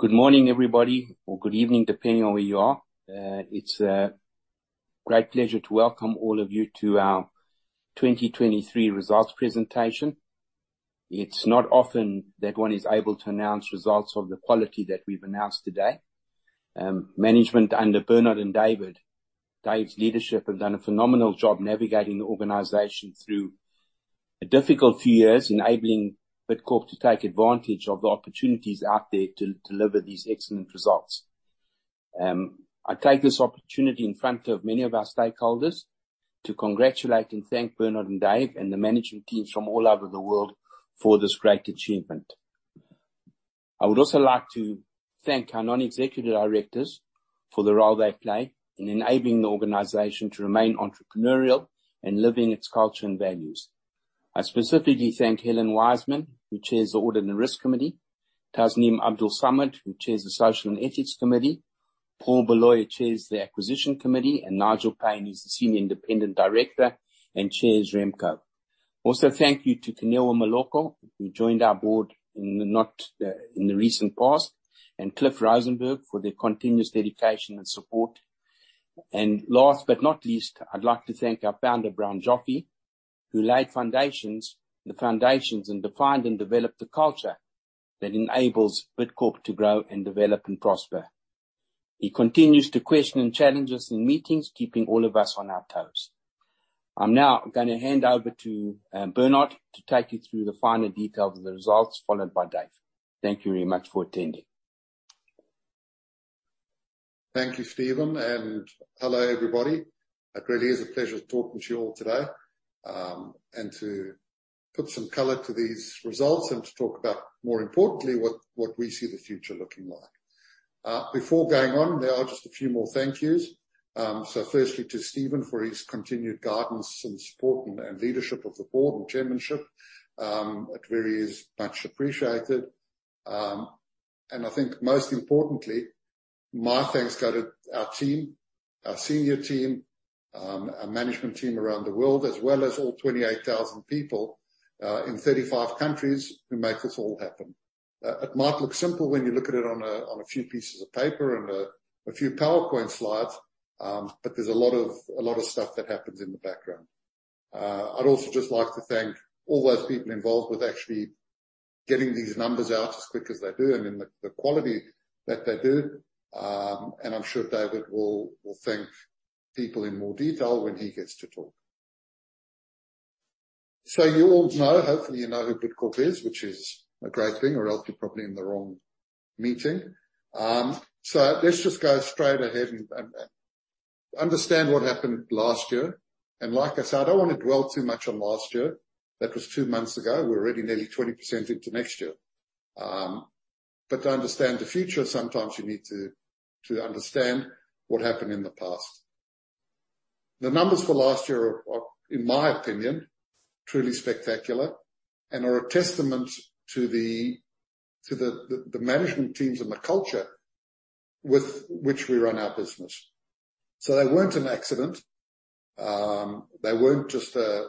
Good morning, everybody, or good evening, depending on where you are. It's a great pleasure to welcome all of you to our 2023 results presentation. It's not often that one is able to announce results of the quality that we've announced today. Management under Bernard and David, Dave's leadership have done a phenomenal job navigating the organization through a difficult few years, enabling to take advantage of the opportunities out there to deliver these excellent results. I take this opportunity in front of many of our stakeholders to congratulate and thank Bernard and Dave and the management teams from all over the world for this great achievement. I would also like to thank our non-executive directors for the role they play in enabling the organization to remain entrepreneurial and living its culture and values. I specifically thank Helen Wiseman, who chairs the Audit and Risk Committee, Tasneem Abdool-Samad, who chairs the Social and Ethics Committee, Paul Baloyi, who chairs the Acquisition Committee, and Nigel Payne, who's the Senior Independent Director and chairs RemCo. Also, thank you to Keneilwe Moloko, who joined our board in the not, in the recent past, and Cliff Rosenberg for their continuous dedication and support. And last but not least, I'd like to thank our founder, Brian Joffe, who laid foundations, the foundations, and defined and developed the culture that enables to grow and develop and prosper. He continues to question and challenge us in meetings, keeping all of us on our toes. I'm now gonna hand over to, Bernard, to take you through the finer details of the results, followed by Dave. Thank you very much for attending. Thank you, Stephen, and hello, everybody. It really is a pleasure talking to you all today, and to put some color to these results and to talk about, more importantly, what we see the future looking like. Before going on, there are just a few more thank yous. So firstly to Stephen for his continued guidance and support and leadership of the board and chairmanship. It really is much appreciated. And I think most importantly, my thanks go to our team, our senior team, our management team around the world, as well as all 28,000 people in 35 countries who make this all happen. It might look simple when you look at it on a few pieces of paper and a few PowerPoint slides, but there's a lot of stuff that happens in the background. I'd also just like to thank all those people involved with actually getting these numbers out as quick as they do and in the quality that they do. And I'm sure David will thank people in more detail when he gets to talk. So you all know... Hopefully, you know who is, which is a great thing, or else you're probably in the wrong meeting. So let's just go straight ahead and understand what happened last year. And like I said, I don't want to dwell too much on last year. That was two months ago. We're already nearly 20% into next year. But to understand the future, sometimes you need to understand what happened in the past. The numbers for last year are, in my opinion, truly spectacular and are a testament to the management teams and the culture with which we run our business. So they weren't an accident. They weren't just a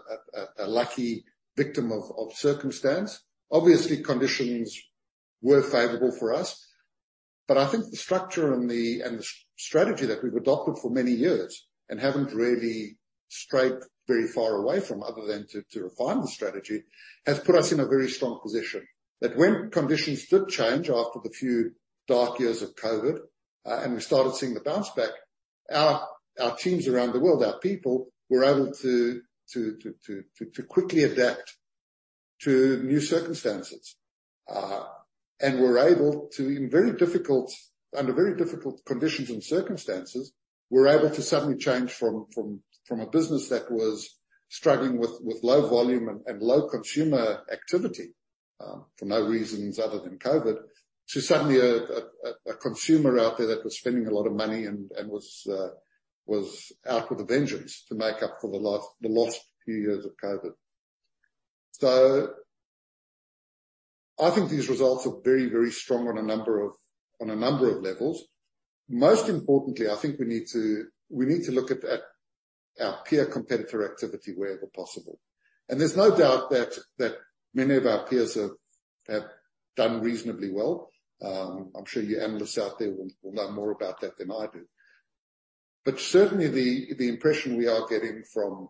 lucky victim of circumstance. Obviously, conditions were favorable for us, but I think the structure and the strategy that we've adopted for many years and haven't really strayed very far away from, other than to refine the strategy, has put us in a very strong position. That when conditions did change after the few dark years of COVID, and we started seeing the bounce back, our teams around the world, our people, were able to quickly adapt to new circumstances. And were able to, under very difficult conditions and circumstances, suddenly change from a business that was struggling with low volume and low consumer activity, for no reasons other than COVID, to suddenly a consumer out there that was spending a lot of money and was out with a vengeance to make up for the lost few years of COVID. So I think these results are very, very strong on a number of levels. Most importantly, I think we need to look at our peer competitor activity wherever possible. And there's no doubt that many of our peers have done reasonably well. I'm sure you analysts out there will know more about that than I do. But certainly, the impression we are getting from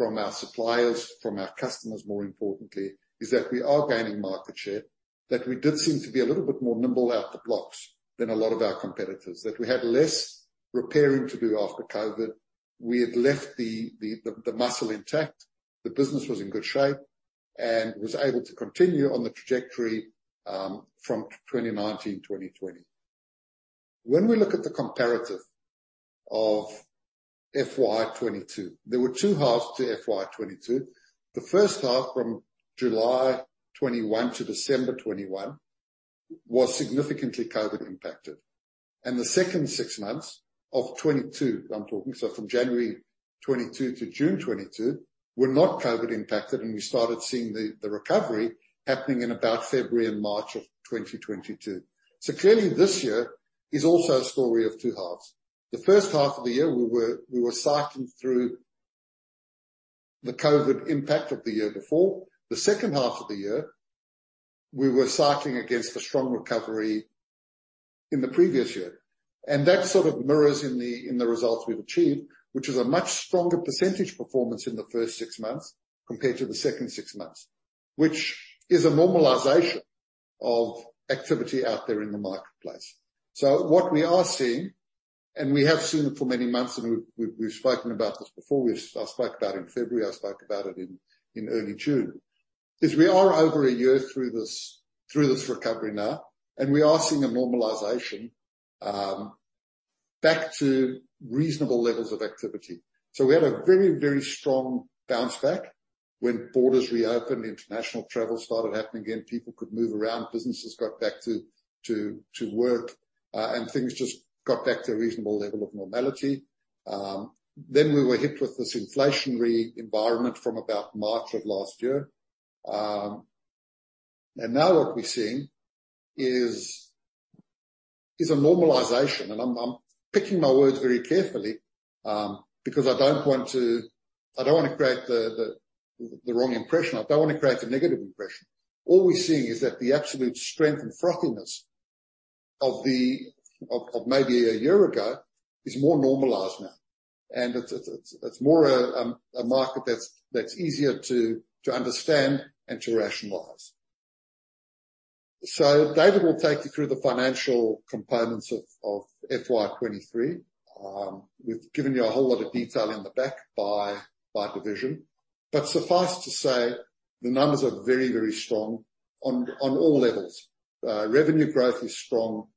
our suppliers, from our customers, more importantly, is that we are gaining market share, that we did seem to be a little bit more nimble out the blocks than a lot of our competitors. That we had less repairing to do after COVID. We had left the muscle intact. The business was in good shape and was able to continue on the trajectory from 2019, 2020. When we look at the comparative of FY 2022, there were two halves to FY 2022. The first half, from July 2021 to December 2021, was significantly COVID impacted, and the second six months of 2022, I'm talking, so from January 2022 to June 2022, were not COVID impacted, and we started seeing the, the recovery happening in about February and March of 2022. So clearly, this year is also a story of two halves. The first half of the year, we were, we were cycling through the COVID impact of the year before. The second half of the year, we were cycling against a strong recovery in the previous year. And that sort of mirrors in the, in the results we've achieved, which is a much stronger percentage performance in the first six months compared to the second six months, which is a normalization of activity out there in the marketplace. So what we are seeing, and we have seen it for many months, and we've spoken about this before. We - I spoke about it in February, I spoke about it in early June; is we are over a year through this recovery now, and we are seeing a normalization back to reasonable levels of activity. So we had a very, very strong bounce back when borders reopened, international travel started happening again, people could move around, businesses got back to work, and things just got back to a reasonable level of normality. Then we were hit with this inflationary environment from about March of last year. And now what we're seeing is a normalization, and I'm picking my words very carefully, because I don't want to... I don't want to create the wrong impression. I don't want to create a negative impression. All we're seeing is that the absolute strength and frothiness of maybe a year ago is more normalized now, and it's more a market that's easier to understand and to rationalize. So David will take you through the financial components of FY 2023. We've given you a whole lot of detail in the back by division. But suffice to say, the numbers are very, very strong on all levels. Revenue growth is strong.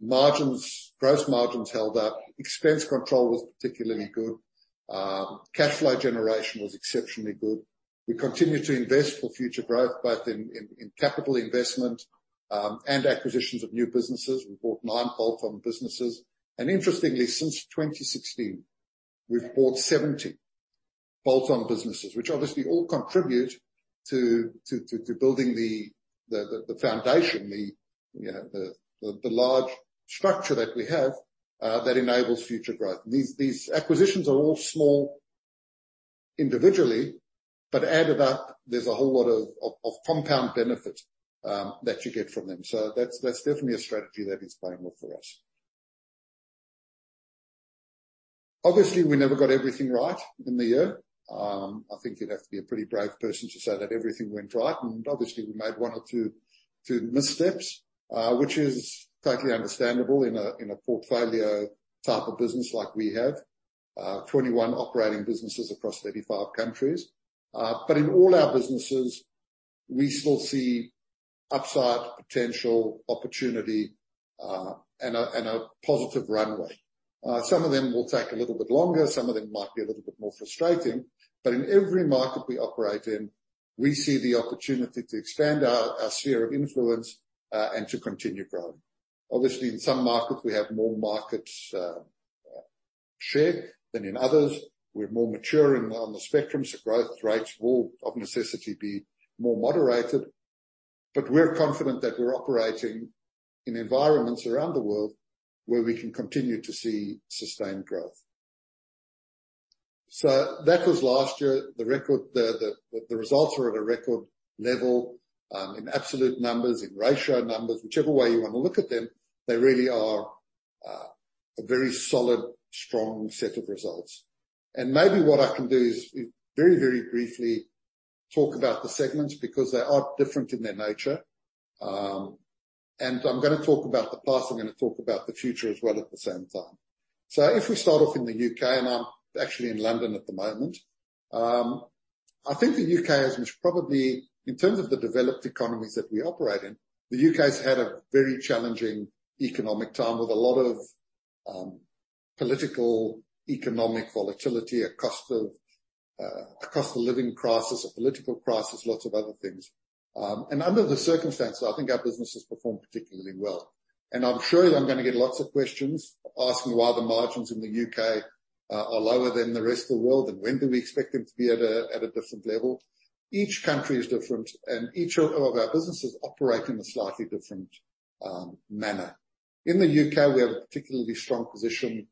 Margins, gross margins held up. Expense control was particularly good. Cash flow generation was exceptionally good. We continued to invest for future growth, both in capital investment and acquisitions of new businesses. We bought nine bolt-on businesses, and interestingly, since 2016, we've bought 70 bolt-on businesses, which obviously all contribute to building the foundation, you know, the large structure that we have that enables future growth. These acquisitions are all small individually, but added up, there's a whole lot of compound benefit that you get from them. So that's definitely a strategy that is playing well for us. Obviously, we never got everything right in the year. I think you'd have to be a pretty brave person to say that everything went right, and obviously, we made one or two mis-steps, which is totally understandable in a portfolio type of business like we have. 21 operating businesses across 35 countries. But in all our businesses, we still see upside potential, opportunity, and a positive runway. Some of them will take a little bit longer, some of them might be a little bit more frustrating, but in every market we operate in, we see the opportunity to expand our sphere of influence, and to continue growing. Obviously, in some markets, we have more market share than in others. We're more mature on the spectrum, so growth rates will, of necessity, be more moderated. But we're confident that we're operating in environments around the world where we can continue to see sustained growth. So that was last year. The record results are at a record level, in absolute numbers, in ratio numbers. Whichever way you want to look at them, they really are a very solid, strong set of results. And maybe what I can do is very, very briefly talk about the segments because they are different in their nature. And I'm gonna talk about the past, I'm gonna talk about the future as well at the same time. So if we start off in the U.K.., and I'm actually in London at the moment, I think the U.K.. is probably, in terms of the developed economies that we operate in, the U.K.. has had a very challenging economic time with a lot of political, economic volatility, a cost of a cost of living crisis, a political crisis, lots of other things. And under the circumstances, I think our business has performed particularly well. I'm sure I'm gonna get lots of questions asking why the margins in the U.K.. are lower than the rest of the world, and when do we expect them to be at a different level? Each country is different, and each of our businesses operate in a slightly different manner. In the U.K.., we have a particularly strong position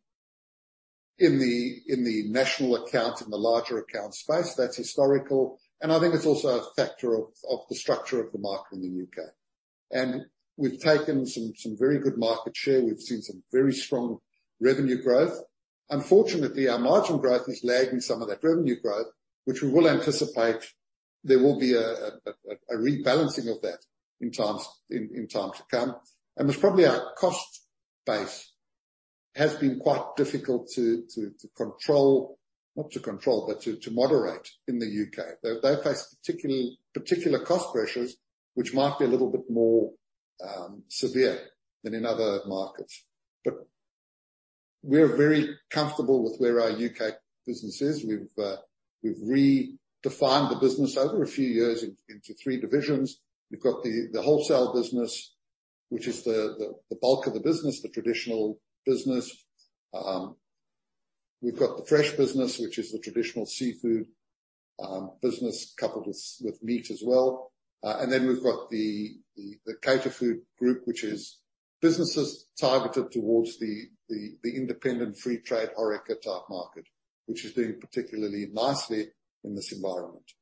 in the national accounts, in the larger account space. That's historical, and I think it's also a factor of the structure of the market in the U.K.. We've taken some very good market share. We've seen some very strong revenue growth. Unfortunately, our margin growth is lagging some of that revenue growth, which we will anticipate there will be a rebalancing of that in time to come. There's probably our cost base has been quite difficult to control... not to control, but to moderate in The U.K.. They face particular cost pressures, which might be a little bit more severe than in other markets. But we're very comfortable with where our business is. We've redefined the business over a few years into three divisions. We've got the wholesale business, which is the bulk of the business, the traditional business. We've got the fresh business, which is the traditional seafood business, coupled with meat as well. And then we've got the Caterfood Group, which is businesses targeted towards the independent free trade HORECA type market, which is doing particularly nicely in this environment.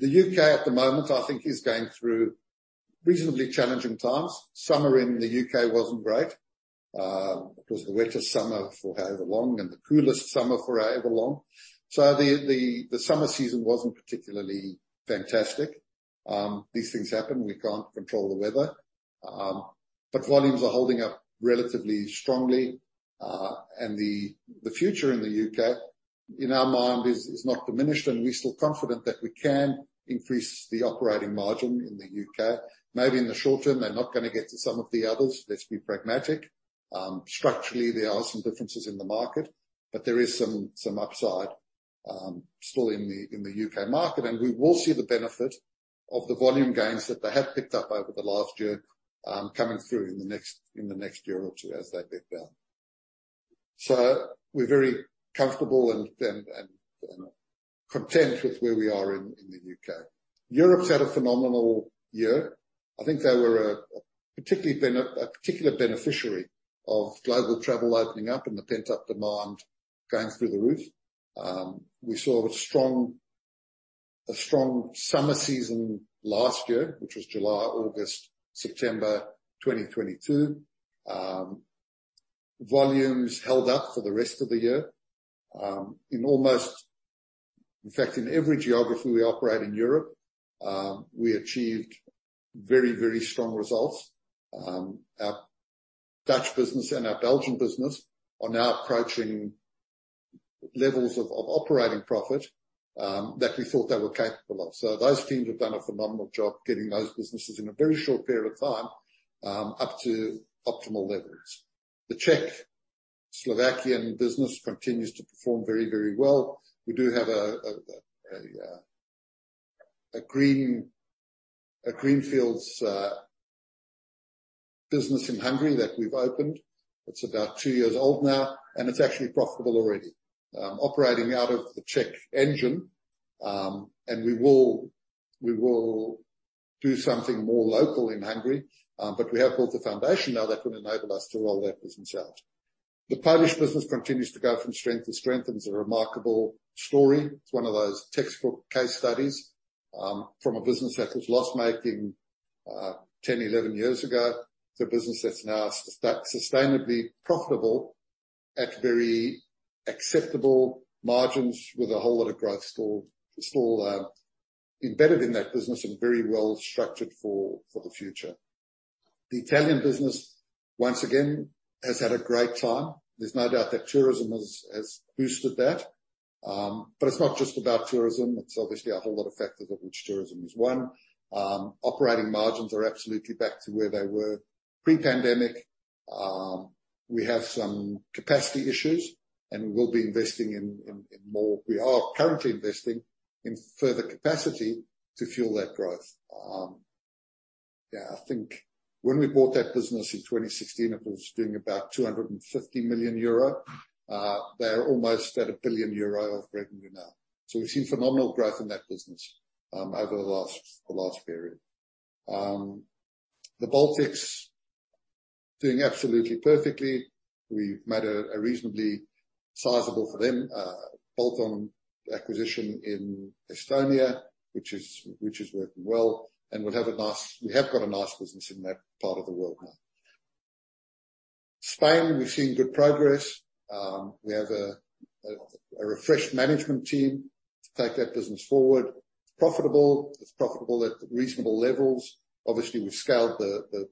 The at the moment, I think, is going through reasonably challenging times. Summer in the wasn't great. It was the wettest summer for however long and the coolest summer for however long. So the summer season wasn't particularly fantastic. These things happen. We can't control the weather. But volumes are holding up relatively strongly, and the future in the, in our mind, is not diminished, and we're still confident that we can increase the operating margin in the. Maybe in the short term, they're not gonna get to some of the others. Let's be pragmatic. Structurally, there are some differences in the market, but there is some upside still in the U.K.. market, and we will see the benefit of the volume gains that they have picked up over the last year coming through in the next year or two as they bed down. So we're very comfortable and content with where we are in the U.K.. Europe's had a phenomenal year. I think they were a particular beneficiary of global travel opening up and the pent-up demand going through the roof. We saw a strong summer season last year, which was July, August, September 2022. Volumes held up for the rest of the year. In almost... In fact, in every geography we operate in Europe, we achieved very, very strong results. Our Dutch business and our Belgian business are now approaching levels of operating profit that we thought they were capable of. So those teams have done a phenomenal job getting those businesses in a very short period of time up to optimal levels. The Czech Slovakian business continues to perform very, very well. We do have a greenfields business in Hungary that we've opened. It's about two years old now, and it's actually profitable already. Operating out of the Czech engine, and we will do something more local in Hungary, but we have built a foundation now that would enable us to roll that business out. The Polish business continues to go from strength to strength, and it's a remarkable story. It's one of those textbook case studies, from a business that was loss-making, 10, 11 years ago, to a business that's now that's sustainably profitable at very acceptable margins with a whole lot of growth still, still, embedded in that business and very well structured for, for the future. The Italian business, once again, has had a great time. There's no doubt that tourism has, has boosted that. But it's not just about tourism, it's obviously a whole lot of factors, of which tourism is one. Operating margins are absolutely back to where they were pre-pandemic. We have some capacity issues, and we will be investing in, in, in more... We are currently investing in further capacity to fuel that growth. Yeah, I think when we bought that business in 2016, it was doing about 250 million euro. They are almost at 1 billion euro of revenue now. So we've seen phenomenal growth in that business over the last period. The Baltics, doing absolutely perfectly. We've made a reasonably sizable for them bolt-on acquisition in Estonia, which is working well, and we'll have a nice... We have got a nice business in that part of the world now. Spain, we've seen good progress. We have a refreshed management team to take that business forward. It's profitable. It's profitable at reasonable levels. Obviously, we've scaled the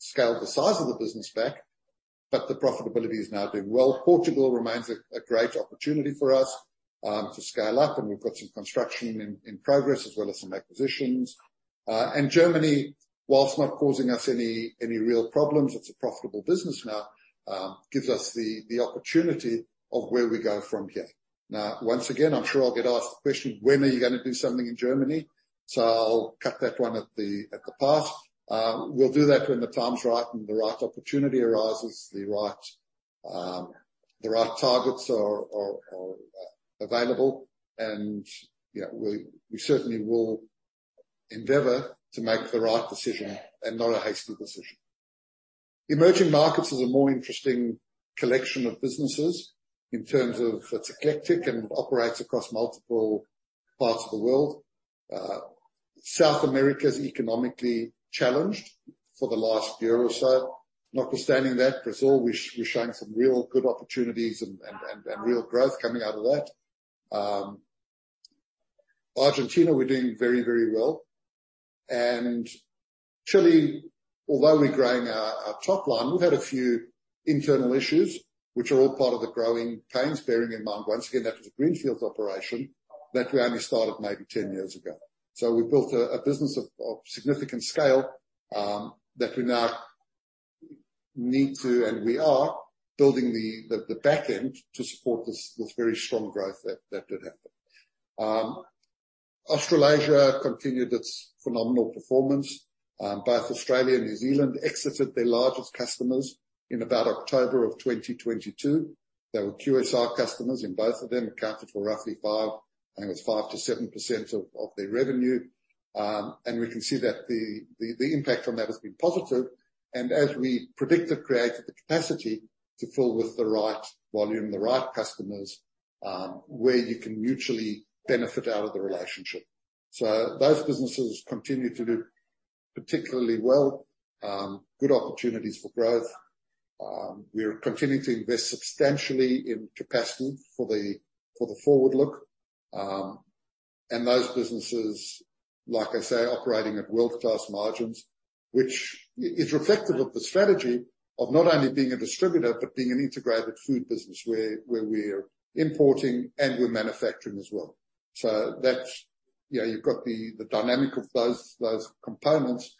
size of the business back, but the profitability is now doing well. Portugal remains a great opportunity for us to scale up, and we've got some construction in progress, as well as some acquisitions. And Germany, while not causing us any real problems, it's a profitable business now, gives us the opportunity of where we go from here. Now, once again, I'm sure I'll get asked the question: When are you gonna do something in Germany? So I'll cut that one at the path. We'll do that when the time is right and the right opportunity arises, the right targets are available, and we certainly will endeavor to make the right decision and not a hasty decision. Emerging markets is a more interesting collection of businesses in terms of it's eclectic and operates across multiple parts of the world. South America is economically challenged for the last year or so. Notwithstanding that, Brazil, we're showing some real good opportunities and real growth coming out of that. Argentina, we're doing very, very well. Chile, although we're growing our top line, we've had a few internal issues which are all part of the growing pains. Bearing in mind, once again, that was a greenfields operation that we only started maybe 10 years ago. So we built a business of significant scale that we now need to, and we are, building the back end to support this very strong growth that did happen. Australasia continued its phenomenal performance. Both Australia and New Zealand exited their largest customers in about October of 2022. They were QSR customers in both of them, accounted for roughly five-... I think it's 5%-7% of the revenue. And we can see that the impact on that has been positive, and as we predicted, created the capacity to fill with the right volume, the right customers, where you can mutually benefit out of the relationship. So those businesses continue to do particularly well, good opportunities for growth. We're continuing to invest substantially in capacity for the forward look. And those businesses, like I say, operating at world-class margins, which is reflective of the strategy of not only being a distributor, but being an integrated food business, where we're importing and we're manufacturing as well. So that's... Yeah, you've got the dynamic of those components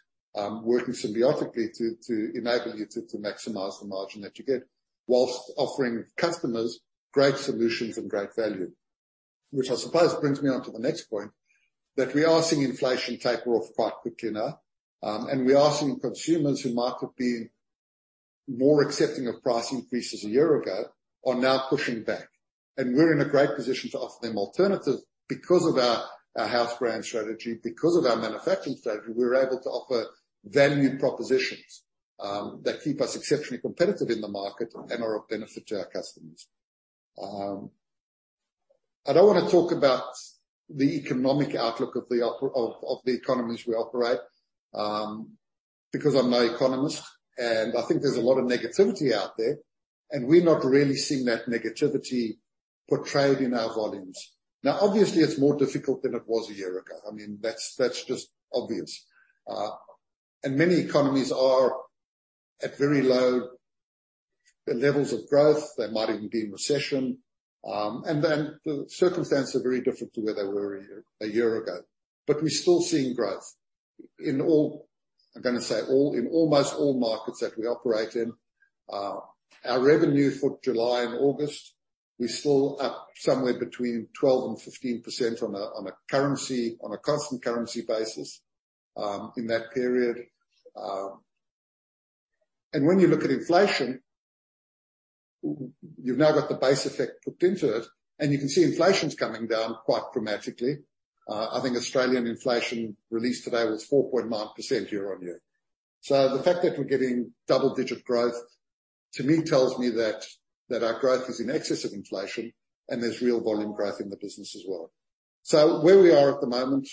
working symbiotically to enable you to maximize the margin that you get, whilst offering customers great solutions and great value. Which I suppose brings me on to the next point, that we are seeing inflation taper off quite quickly now. We are seeing consumers who might have been more accepting of price increases a year ago, are now pushing back. We're in a great position to offer them alternatives because of our house brand strategy, because of our manufacturing strategy, we're able to offer value propositions that keep us exceptionally competitive in the market and are of benefit to our customers. I don't wanna talk about the economic outlook of the economies we operate, because I'm no economist, and I think there's a lot of negativity out there, and we're not really seeing that negativity portrayed in our volumes. Now, obviously, it's more difficult than it was a year ago. I mean, that's just obvious. And many economies are at very low levels of growth. They might even be in recession. And then the circumstances are very different to where they were a year ago. But we're still seeing growth in almost all markets that we operate in. Our revenue for July and August, we're still up somewhere between 12%-15% on a constant currency basis, in that period. And when you look at inflation, you've now got the base effect put into it, and you can see inflation's coming down quite dramatically. I think Australian inflation released today was 4.9% year-on-year. So the fact that we're getting double-digit growth, to me, tells me that our growth is in excess of inflation, and there's real volume growth in the business as well. So where we are at the moment,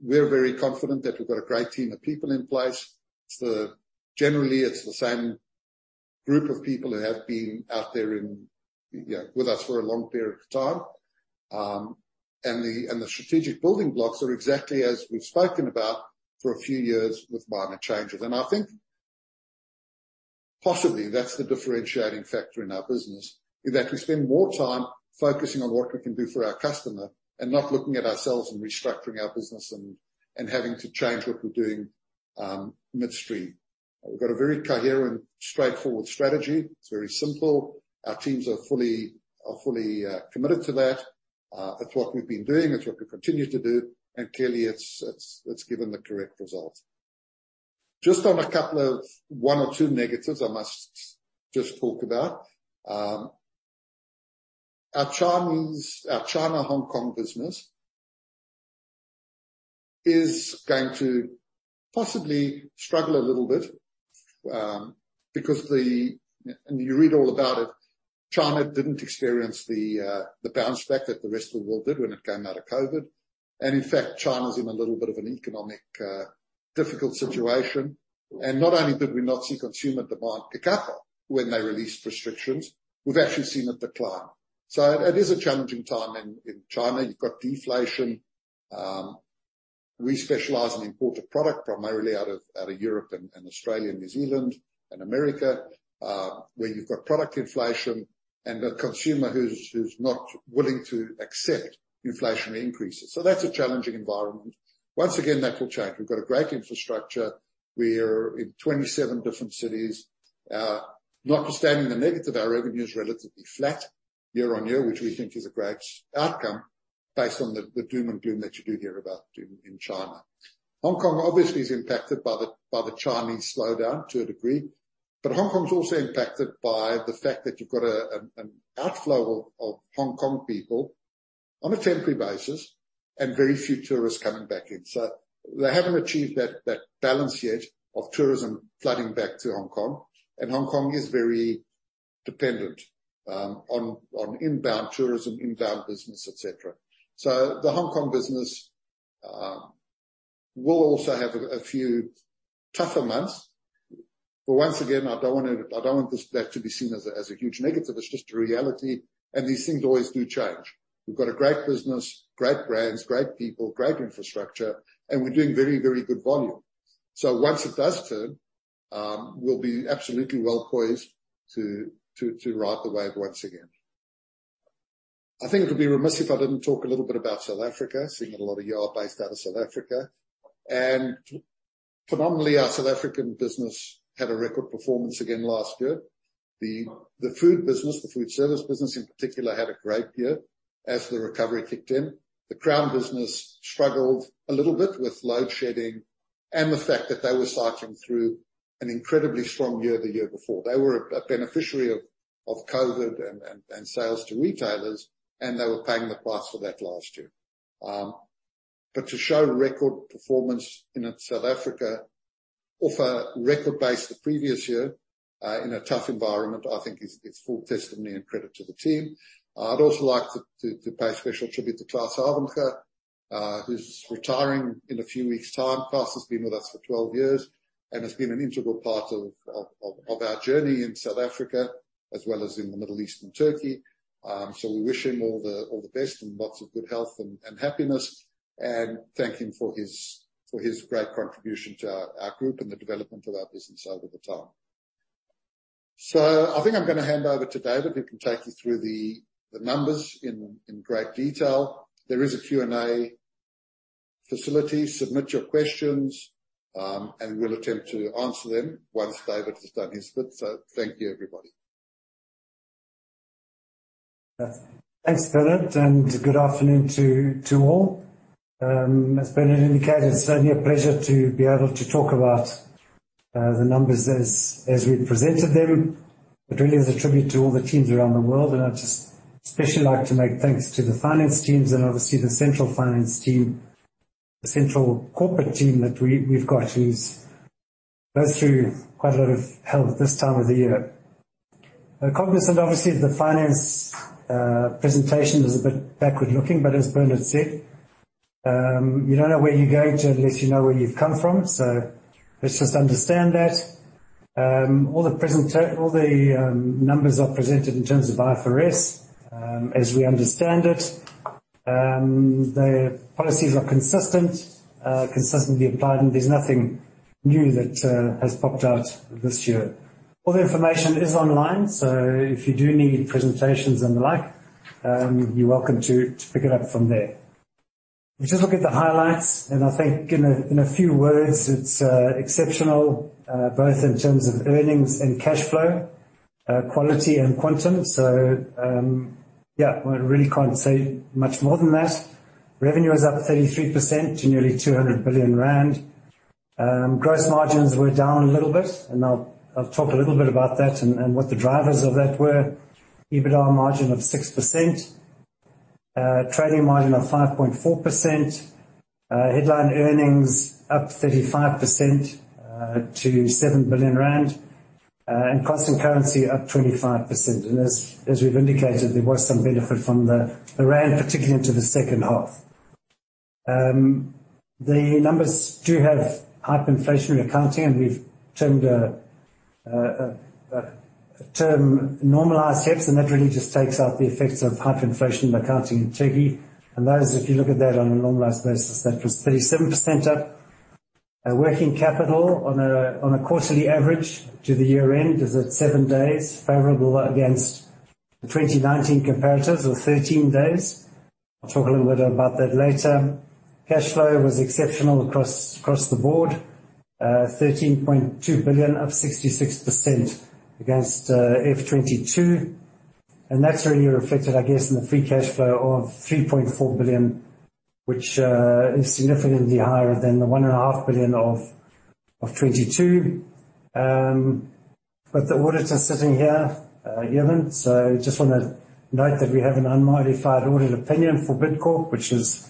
we're very confident that we've got a great team of people in place. It's generally the same group of people who have been out there in, you know, with us for a long period of time. And the strategic building blocks are exactly as we've spoken about for a few years with minor changes. I think, possibly, that's the differentiating factor in our business, is that we spend more time focusing on what we can do for our customer and not looking at ourselves and restructuring our business and having to change what we're doing midstream. We've got a very coherent, straightforward strategy. It's very simple. Our teams are fully committed to that. It's what we've been doing, it's what we continue to do, and clearly, it's given the correct results. Just on a couple of one or two negatives I must just talk about. Our China/Hong Kong business is going to possibly struggle a little bit, because and you read all about it, China didn't experience the bounce back that the rest of the world did when it came out of COVID. And in fact, China is in a little bit of an economic difficult situation. And not only did we not see consumer demand pick up when they released restrictions, we've actually seen a decline. So it is a challenging time in China. You've got deflation. We specialize in imported product, primarily out of Europe and Australia, New Zealand, and America, where you've got product inflation and a consumer who's not willing to accept inflationary increases. So that's a challenging environment. Once again, that will change. We've got a great infrastructure. We're in 27 different cities. Notwithstanding the negative, our revenue is relatively flat year-on-year, which we think is a great outcome based on the doom and gloom that you do hear about doom in China. Hong Kong obviously is impacted by the by the Chinese slowdown to a degree, but Hong Kong is also impacted by the fact that you've got an outflow of Hong Kong people on a temporary basis and very few tourists coming back in. So they haven't achieved that balance yet of tourism flooding back to Hong Kong. And Hong Kong is very dependent on inbound tourism, inbound business, et cetera. So the Hong Kong business will also have a few tougher months. But once again, I don't want to... I don't want this that to be seen as a huge negative. It's just a reality, and these things always do change. We've got a great business, great brands, great people, great infrastructure, and we're doing very, very good volume. Once it does turn, we'll be absolutely well poised to ride the wave once again. I think it would be remiss if I didn't talk a little bit about South Africa, seeing that a lot of you are based out of South Africa. Phenomenally, our South African business had a record performance again last year. The food business, the food service business in particular, had a great year as the recovery kicked in. The Crown business struggled a little bit with load shedding and the fact that they were cycling through an incredibly strong year, the year before. They were a beneficiary of COVID and sales to retailers, and they were paying the price for that last year. But to show record performance in South Africa, off a record base the previous year, in a tough environment, I think it's full testimony and credit to the team. I'd also like to pay special tribute to Klaas Aucamp, who's retiring in a few weeks' time. Klaas has been with us for 12 years and has been an integral part of our journey in South Africa, as well as in the Middle East and Turkey. So we wish him all the best and lots of good health and happiness, and thank him for his great contribution to our group and the development of our business over the time. So I think I'm gonna hand over to David, who can take you through the numbers in great detail. There is a Q&A facility. Submit your questions, and we'll attempt to answer them once David has done his bit. So thank you, everybody. Thanks, Bernard, and good afternoon to all. As Bernard indicated, it's certainly a pleasure to be able to talk about the numbers as we presented them. It really is a tribute to all the teams around the world, and I'd just especially like to make thanks to the finance teams and obviously the central finance team. The central corporate team that we've got goes through quite a lot of hell at this time of the year. Now, cognizant, obviously, the finance presentation is a bit backward-looking, but as Bernard said, you don't know where you're going to unless you know where you've come from. So let's just understand that. All the numbers are presented in terms of IFRS as we understand it. The policies are consistent, consistently applied, and there's nothing new that has popped out this year. All the information is online, so if you do need presentations and the like, you're welcome to pick it up from there. We'll just look at the highlights, and I think in a few words, it's exceptional, both in terms of earnings and cash flow, quality and quantity. So, yeah, we really can't say much more than that. Revenue is up 33% to nearly 200 billion rand. Gross margins were down a little bit, and I'll talk a little bit about that and what the drivers of that were. EBITDA margin of 6%, trading margin of 5.4%, headline earnings up 35% to 7 billion rand, and constant currency up 25%. As we've indicated, there was some benefit from the rand, particularly into the second half. The numbers do have hyperinflationary accounting, and we've termed normalized HEPS, and that really just takes out the effects of hyperinflation by accounting in Turkey. That is, if you look at that on a normalized basis, that was 37% up. Working capital on a quarterly average to the year-end is at 7 days, favorable against the 2019 comparatives of 13 days. I'll talk a little bit about that later. Cash flow was exceptional across the board. 13.2 billion, up 66% against FY 2022. That's really reflected, I guess, in the free cash flow of 3.4 billion, which is significantly higher than the 1.5 billion of 2022. But the auditor sitting here, Evan, so just wanna note that we have an unmodified audited opinion for, which is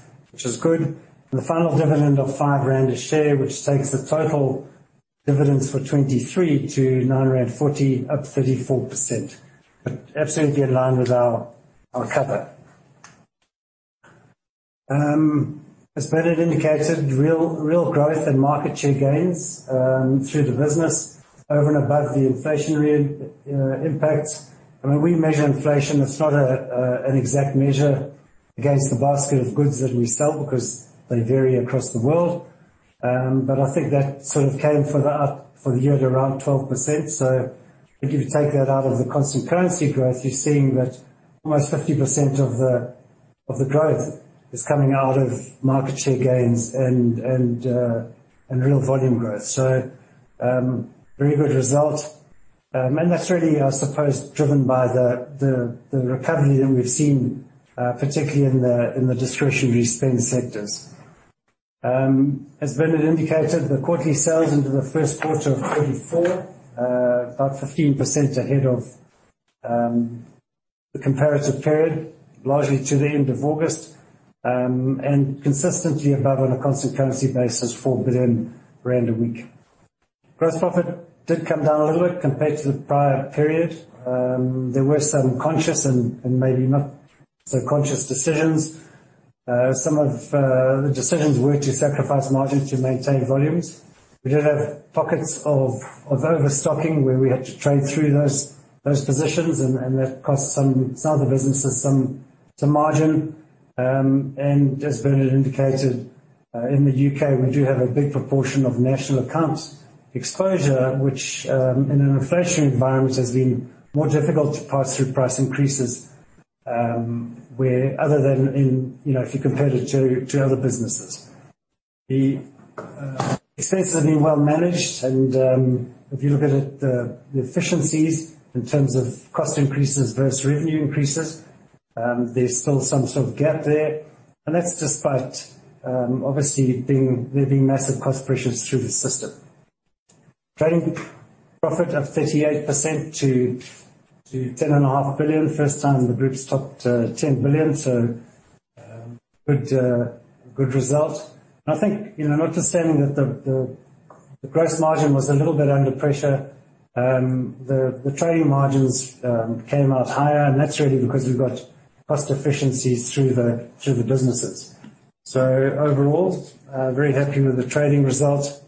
good. The final dividend of 5 rand a share, which takes the total dividends for 2023 to 9.40 rand, up 34%. But absolutely in line with our cover. As Bernard indicated, real growth and market share gains through the business over and above the inflationary impacts. When we measure inflation, it's not an exact measure against the basket of goods that we sell because they vary across the world. But I think that sort of came for the up for the year at around 12%. So if you take that out of the constant currency growth, you're seeing that almost 50% of the, of the growth is coming out of market share gains and, and, and real volume growth. So, very good results. And that's really, I suppose, driven by the, the, the recovery that we've seen, particularly in the, in the discretionary spend sectors. As Bernard indicated, the quarterly sales into the first quarter of 2024, about 15% ahead of, the comparative period, largely to the end of August, and consistently above on a constant currency basis, 4 billion rand a week. Gross profit did come down a little bit compared to the prior period. There were some conscious and maybe not so conscious decisions. Some of the decisions were to sacrifice margin to maintain volumes. We did have pockets of overstocking, where we had to trade through those positions, and that cost some of the businesses some margin. And as Bernard indicated, in the, we do have a big proportion of national accounts exposure, which, in an inflationary environment, has been more difficult to pass through price increases, where other than in, you know, if you compare it to other businesses. The expenses have been well managed, and if you look at it, the efficiencies in terms of cost increases versus revenue increases... there's still some sort of gap there, and that's despite, obviously being, there being massive cost pressures through the system. Trading profit of 38% to 10.5 billion, first time the group's topped 10 billion, so good result. I think, you know, notwithstanding that the gross margin was a little bit under pressure, the trading margins came out higher, and that's really because we've got cost efficiencies through the businesses. So overall, very happy with the trading result.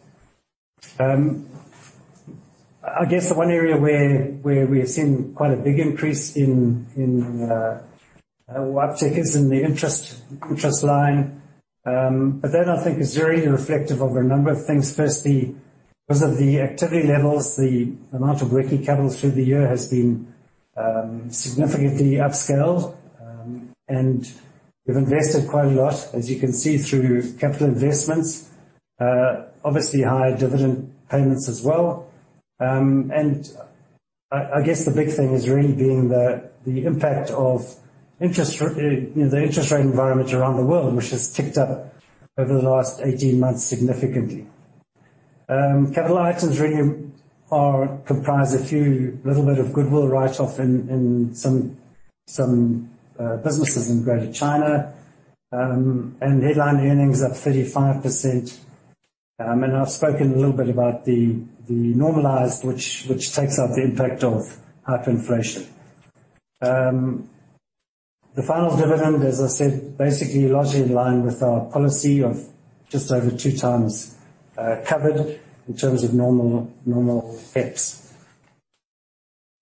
I guess the one area where we've seen quite a big increase in uptake is in the interest line. But that I think is really reflective of a number of things. Firstly, because of the activity levels, the amount of working capital through the year has been significantly upscaled. And we've invested quite a lot, as you can see, through capital investments. Obviously higher dividend payments as well. And I guess the big thing has really been the impact of interest rates, you know, the interest rate environment around the world, which has ticked up over the last 18 months significantly. Capital items really are comprised of a few little bit of goodwill write-off in some businesses in Greater China. And headline earnings up 35%. And I've spoken a little bit about the normalized, which takes out the impact of hyperinflation. The final dividend, as I said, basically largely in line with our policy of just over 2 times covered in terms of normal EPS.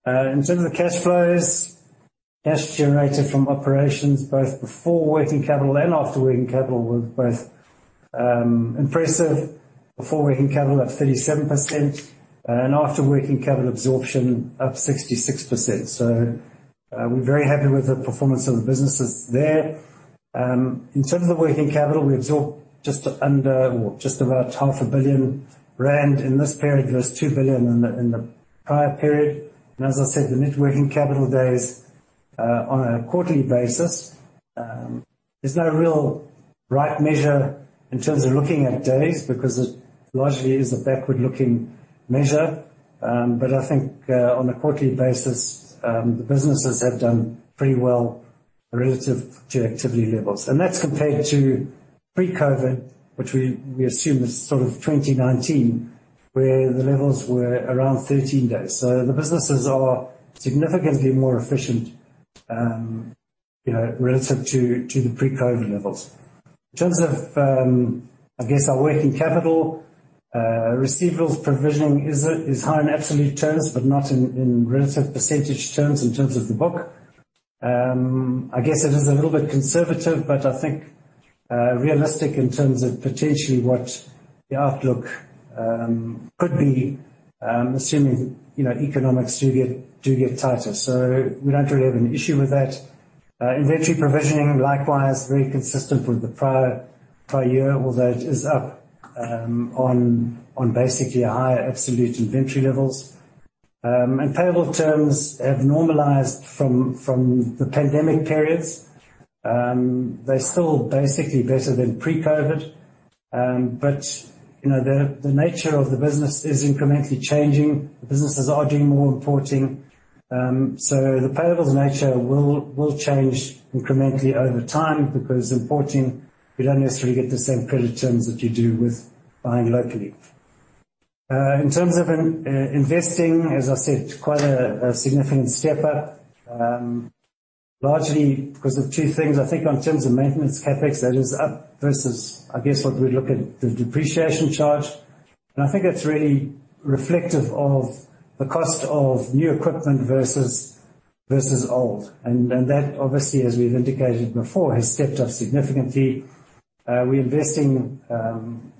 In terms of the cash flows, cash generated from operations, both before working capital and after working capital, was both impressive. Before working capital, up 37%, and after working capital absorption, up 66%. So, we're very happy with the performance of the businesses there. In terms of the working capital, we absorbed just under or just about 500 million rand in this period. It was 2 billion in the, in the prior period. And as I said, the net working capital days, on a quarterly basis, there's no real right measure in terms of looking at days, because it largely is a backward-looking measure. But I think, on a quarterly basis, the businesses have done pretty well relative to activity levels. And that's compared to pre-COVID, which we, we assume is sort of 2019, where the levels were around 13 days. So the businesses are significantly more efficient, you know, relative to, to the pre-COVID levels. In terms of, I guess, our working capital, receivables provisioning is high in absolute terms, but not in relative percentage terms in terms of the book. I guess it is a little bit conservative, but I think realistic in terms of potentially what the outlook could be, assuming, you know, economics do get tighter. So we don't really have an issue with that. Inventory provisioning, likewise, very consistent with the prior year, although it is up on basically higher absolute inventory levels. And payable terms have normalized from the pandemic periods. They're still basically better than pre-COVID. But, you know, the nature of the business is incrementally changing. The businesses are doing more importing. So the payables nature will change incrementally over time, because importing, you don't necessarily get the same credit terms that you do with buying locally. In terms of investing, as I said, quite a significant step up, largely because of two things. I think in terms of maintenance CapEx, that is up versus, I guess, what we look at the depreciation charge. And I think that's really reflective of the cost of new equipment versus old. And that obviously, as we've indicated before, has stepped up significantly. We're investing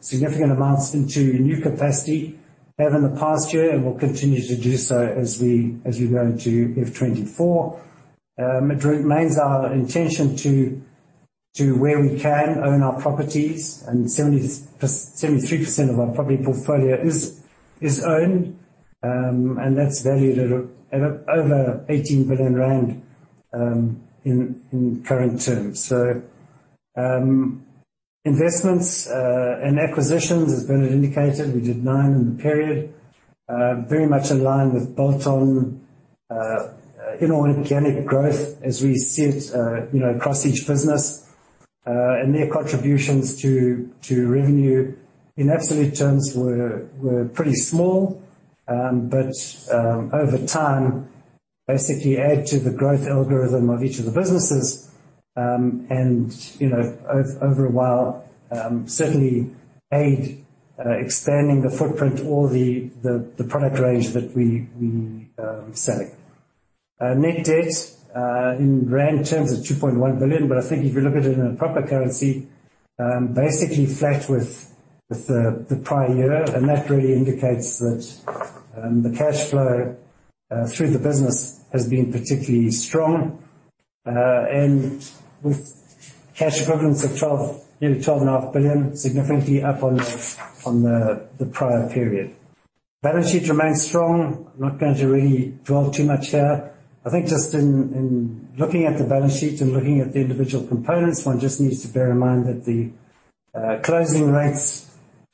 significant amounts into new capacity over in the past year and will continue to do so as we go into F 2024. It remains our intention to, where we can, own our properties, and 73% of our property portfolio is owned. And that's valued at over 18 billion rand in current terms. Investments and acquisitions, as Bennett indicated, we did 9 in the period. Very much in line with bolt-on inorganic growth as we see it, you know, across each business. And their contributions to revenue in absolute terms were pretty small. But over time, basically add to the growth algorithm of each of the businesses. And, you know, over a while, certainly aid expanding the footprint or the product range that we're selling. Net debt in rand terms is 2.1 billion, but I think if you look at it in a proper currency, basically flat with the prior year. That really indicates that the cash flow through the business has been particularly strong. And with cash equivalents of 12 billion, nearly 12.5 billion, significantly up on the prior period. Balance sheet remains strong. I'm not going to really dwell too much here. I think just in looking at the balance sheet and looking at the individual components, one just needs to bear in mind that the closing rates,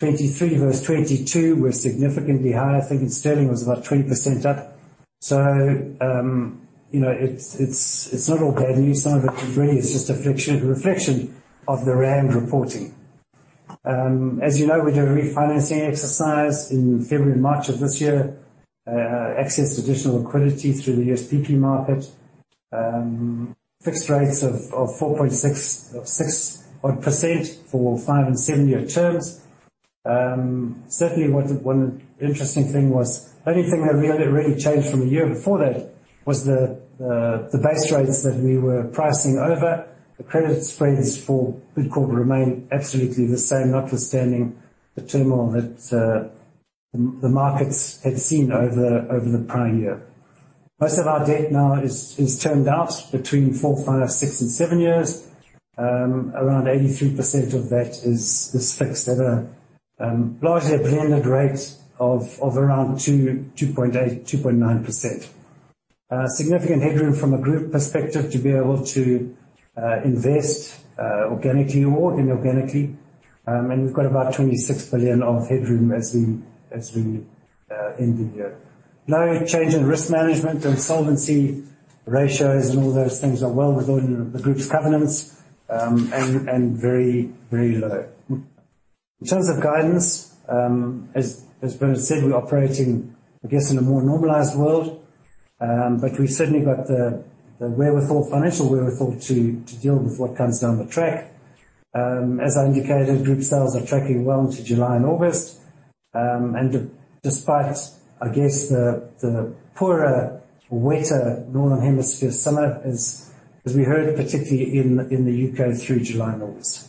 2023 versus 2022, were significantly higher. I think in sterling was about 20% up. So, you know, it's not all bad news. None of it really, it's just a reflection of the rand reporting. As you know, we did a refinancing exercise in February and March of this year. Accessed additional liquidity through the USPP market. Fixed rates of 4.6% or 6% odd for five- and seven-year terms. Certainly one interesting thing was, the only thing that really changed from the year before that was the base rates that we were pricing over. The credit spreads for remained absolutely the same, notwithstanding the turmoil that the markets had seen over the prior year. Most of our debt now is termed out between four, five, six, and seven years. Around 83% of that is fixed at largely a blended rate of around 2.8%-2.9%. Significant headroom from a group perspective to be able to invest organically or inorganically. And we've got about 26 billion of headroom as we end the year. No change in risk management and solvency ratios, and all those things are well within the group's covenants, and very, very low. In terms of guidance, as Bernard said, we're operating, I guess, in a more normalized world. But we've certainly got the wherewithal, financial wherewithal to deal with what comes down the track. As I indicated, group sales are tracking well into July and August. And despite, I guess, the poorer, wetter northern hemisphere summer, as we heard, particularly in the through July and August.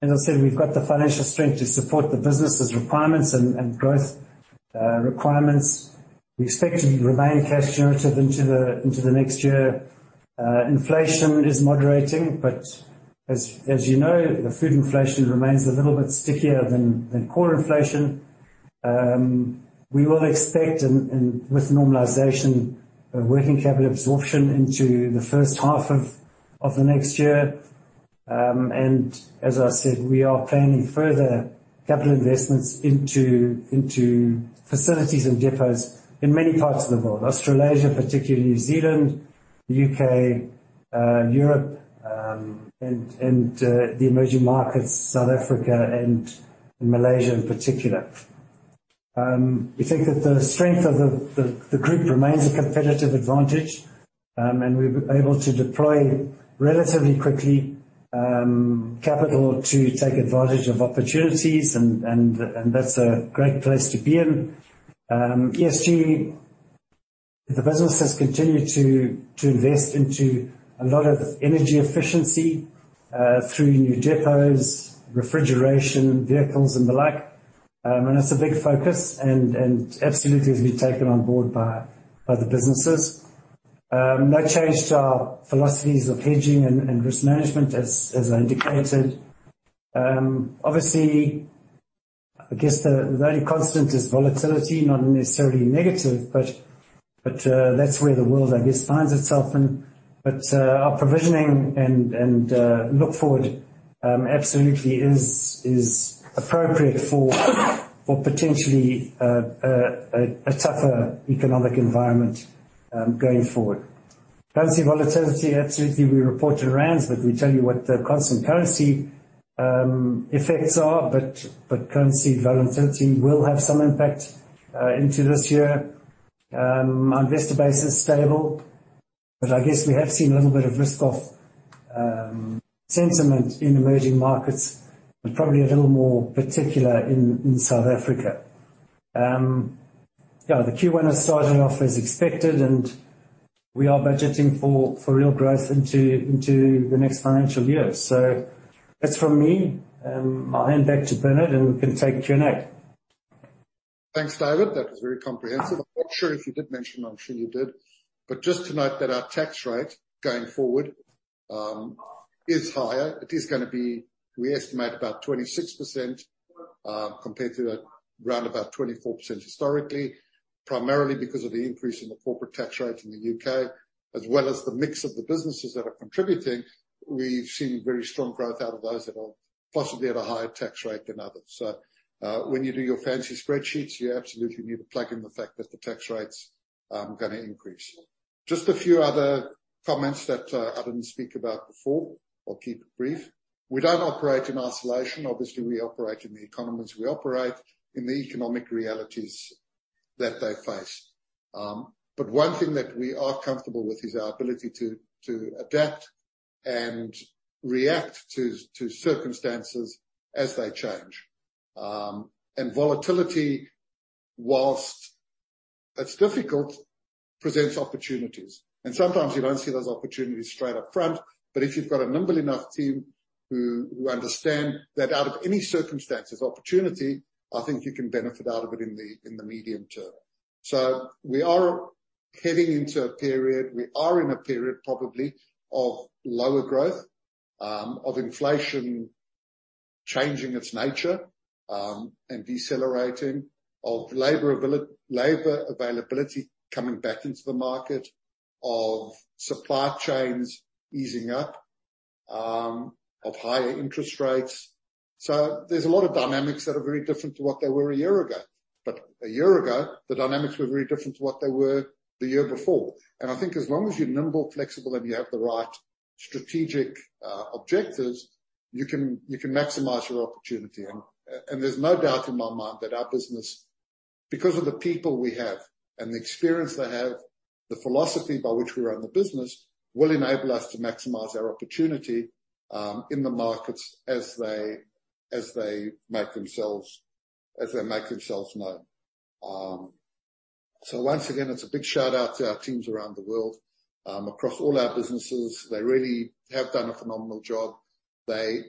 As I said, we've got the financial strength to support the business's requirements and growth requirements. We expect to remain cash generative into the next year. Inflation is moderating, but as you know, the food inflation remains a little bit stickier than core inflation. We will expect and with normalization, working capital absorption into the first half of the next year. And as I said, we are planning further capital investments into facilities and depots in many parts of the world. Australasia, particularly New Zealand, the, Europe, and the emerging markets, South Africa and Malaysia in particular. We think that the strength of the group remains a competitive advantage, and we've been able to deploy relatively quickly capital to take advantage of opportunities, and that's a great place to be in. ESG, the business has continued to invest into a lot of energy efficiency through new depots, refrigeration, vehicles, and the like. And it's a big focus and absolutely has been taken on board by the businesses. No change to our philosophies of hedging and risk management, as I indicated. Obviously, I guess the only constant is volatility, not necessarily negative, but that's where the world, I guess, finds itself in. But our provisioning and look forward absolutely is appropriate for potentially a tougher economic environment going forward. Currency volatility, absolutely, we report in Rands, but we tell you what the constant currency effects are. But currency volatility will have some impact into this year. Our investor base is stable, but I guess we have seen a little bit of risk-off sentiment in emerging markets and probably a little more particular in South Africa. Yeah, the Q1 is starting off as expected, and we are budgeting for real growth into the next financial year. So that's from me, I'll hand back to Bernard, and we can take Q&A. Thanks, David. That was very comprehensive. I'm not sure if you did mention, I'm sure you did, but just to note that our tax rate going forward is higher. It is gonna be, we estimate, about 26%, compared to around about 24% historically, primarily because of the increase in the corporate tax rate in the, as well as the mix of the businesses that are contributing. We've seen very strong growth out of those that are possibly at a higher tax rate than others. So, when you do your fancy spreadsheets, you absolutely need to plug in the fact that the tax rates are gonna increase. Just a few other comments that I didn't speak about before, I'll keep it brief. We don't operate in isolation. Obviously, we operate in the economies. We operate in the economic realities that they face. But one thing that we are comfortable with is our ability to adapt and react to circumstances as they change. And volatility, while it's difficult, presents opportunities, and sometimes you don't see those opportunities straight up front. But if you've got a nimble enough team who understand that out of any circumstance there's opportunity, I think you can benefit out of it in the medium term. So we are heading into a period... We are in a period, probably of lower growth... of inflation changing its nature, and decelerating, of labor availability coming back into the market, of supply chains easing up, of higher interest rates. So there's a lot of dynamics that are very different to what they were a year ago. But a year ago, the dynamics were very different to what they were the year before. And I think as long as you're nimble, flexible, and you have the right strategic objectives, you can maximize your opportunity. And there's no doubt in my mind that our business, because of the people we have and the experience they have, the philosophy by which we run the business, will enable us to maximize our opportunity in the markets as they make themselves known. So once again, it's a big shout-out to our teams around the world. Across all our businesses, they really have done a phenomenal job. They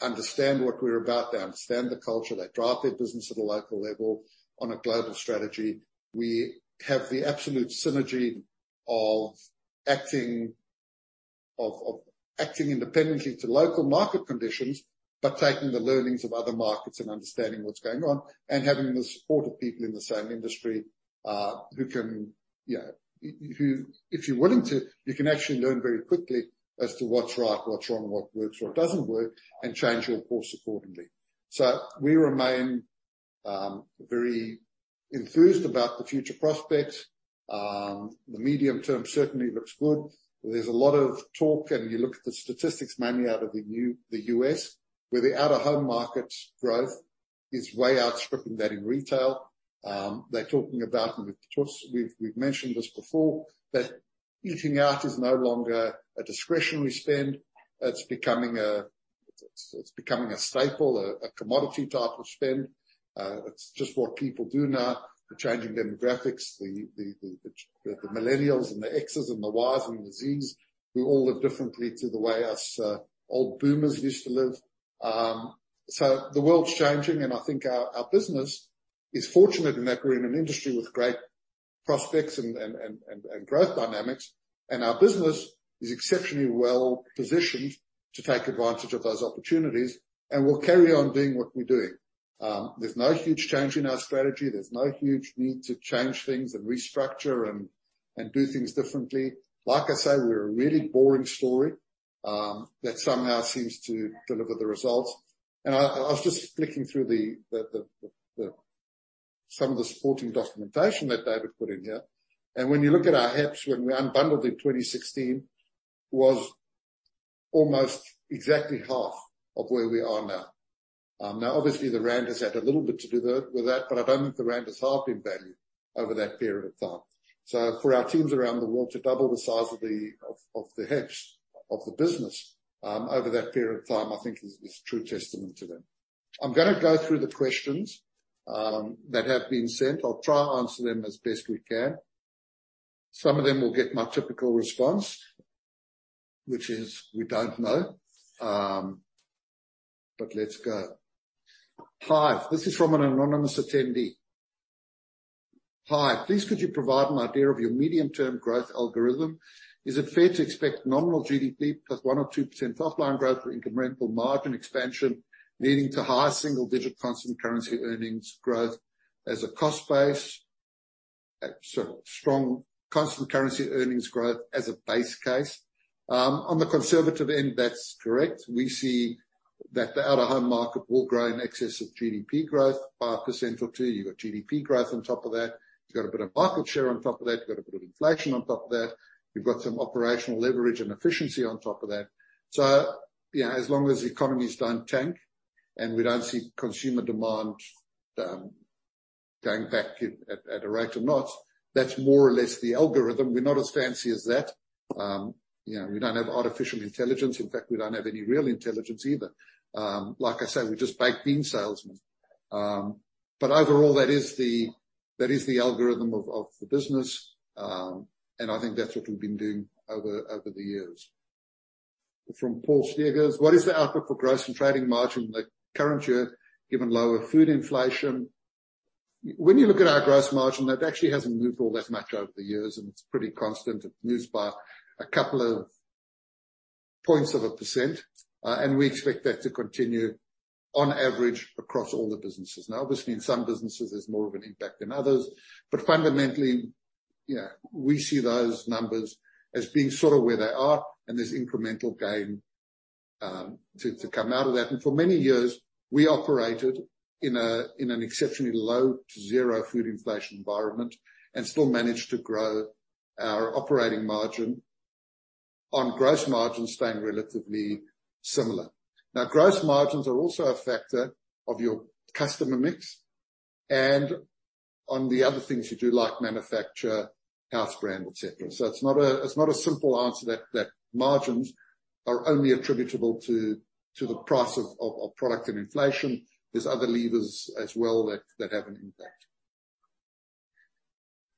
understand what we're about, they understand the culture, they drive their business at a local level on a global strategy. We have the absolute synergy of acting independently to local market conditions, but taking the learnings of other markets and understanding what's going on, and having the support of people in the same industry who can... Yeah, if you're willing to, you can actually learn very quickly as to what's right, what's wrong, what works or doesn't work, and change your course accordingly. So we remain very enthused about the future prospects. The medium term certainly looks good. There's a lot of talk, and you look at the statistics, mainly out of the U.S., where the out-of-home market growth is way outstripping that in retail. They're talking about, and we've just mentioned this before, that eating out is no longer a discretionary spend. It's becoming a staple, a commodity type of spend. It's just what people do now. The changing demographics, the Millennials and the X's and the Y's and the Z's, who all live differently to the way us old Boomers used to live. So the world's changing, and I think our business is fortunate in that we're in an industry with great prospects and growth dynamics, and our business is exceptionally well positioned to take advantage of those opportunities, and we'll carry on doing what we're doing. There's no huge change in our strategy. There's no huge need to change things and restructure and do things differently. Like I say, we're a really boring story that somehow seems to deliver the results. And I was just flicking through some of the supporting documentation that David put in here. When you look at our HEPS, when we unbundled in 2016, was almost exactly half of where we are now. Now, obviously, the rand has had a little bit to do with that, but I don't think the rand has halved in value over that period of time. So for our teams around the world to double the size of the HEPS of the business over that period of time, I think is true testament to them. I'm gonna go through the questions that have been sent. I'll try and answer them as best we can. Some of them will get my typical response, which is, "We don't know." But let's go. Hi, this is from an anonymous attendee. "Hi, please, could you provide an idea of your medium-term growth algorithm? Is it fair to expect nominal GDP + 1% or 2% offline growth or incremental margin expansion, leading to high single-digit constant currency earnings growth as a cost base... Sorry, strong constant currency earnings growth as a base case? On the conservative end, that's correct. We see that the out-of-home market will grow in excess of GDP growth, 5% or 2%. You've got GDP growth on top of that, you've got a bit of market share on top of that, you've got a bit of inflation on top of that, you've got some operational leverage and efficiency on top of that. So, yeah, as long as the economies don't tank and we don't see consumer demand, going back at a rate or not, that's more or less the algorithm. We're not as fancy as that. You know, we don't have artificial intelligence. In fact, we don't have any real intelligence either. Like I said, we're just baked bean salesmen. But overall, that is the algorithm of the business, and I think that's what we've been doing over the years. From Paul Steegers: "What is the outlook for gross and trading margin in the current year, given lower food inflation?" When you look at our gross margin, that actually hasn't moved all that much over the years, and it's pretty constant. It's moved by a couple of points of a percent, and we expect that to continue on average across all the businesses. Now, obviously, in some businesses, there's more of an impact than others. But fundamentally, yeah, we see those numbers as being sort of where they are, and there's incremental gain to come out of that. For many years, we operated in an exceptionally low to zero food inflation environment and still managed to grow our operating margin on gross margins staying relatively similar. Now, gross margins are also a factor of your customer mix and on the other things you do, like manufacture, house brand, et cetera. So it's not a simple answer that margins are only attributable to the price of product and inflation. There's other levers as well that have an impact.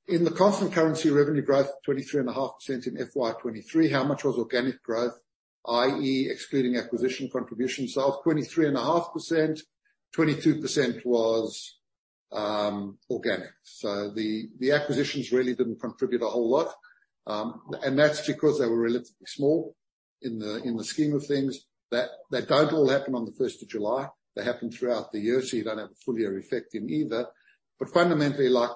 "In the constant currency revenue growth of 23.5% in FY 2023, how much was organic growth, i.e., excluding acquisition contributions?" So of 23.5%, 22% was organic. So the acquisitions really didn't contribute a whole lot, and that's because they were relatively small in the scheme of things. They don't all happen on the first of July. They happen throughout the year, so you don't have the full year effect in either. But fundamentally, like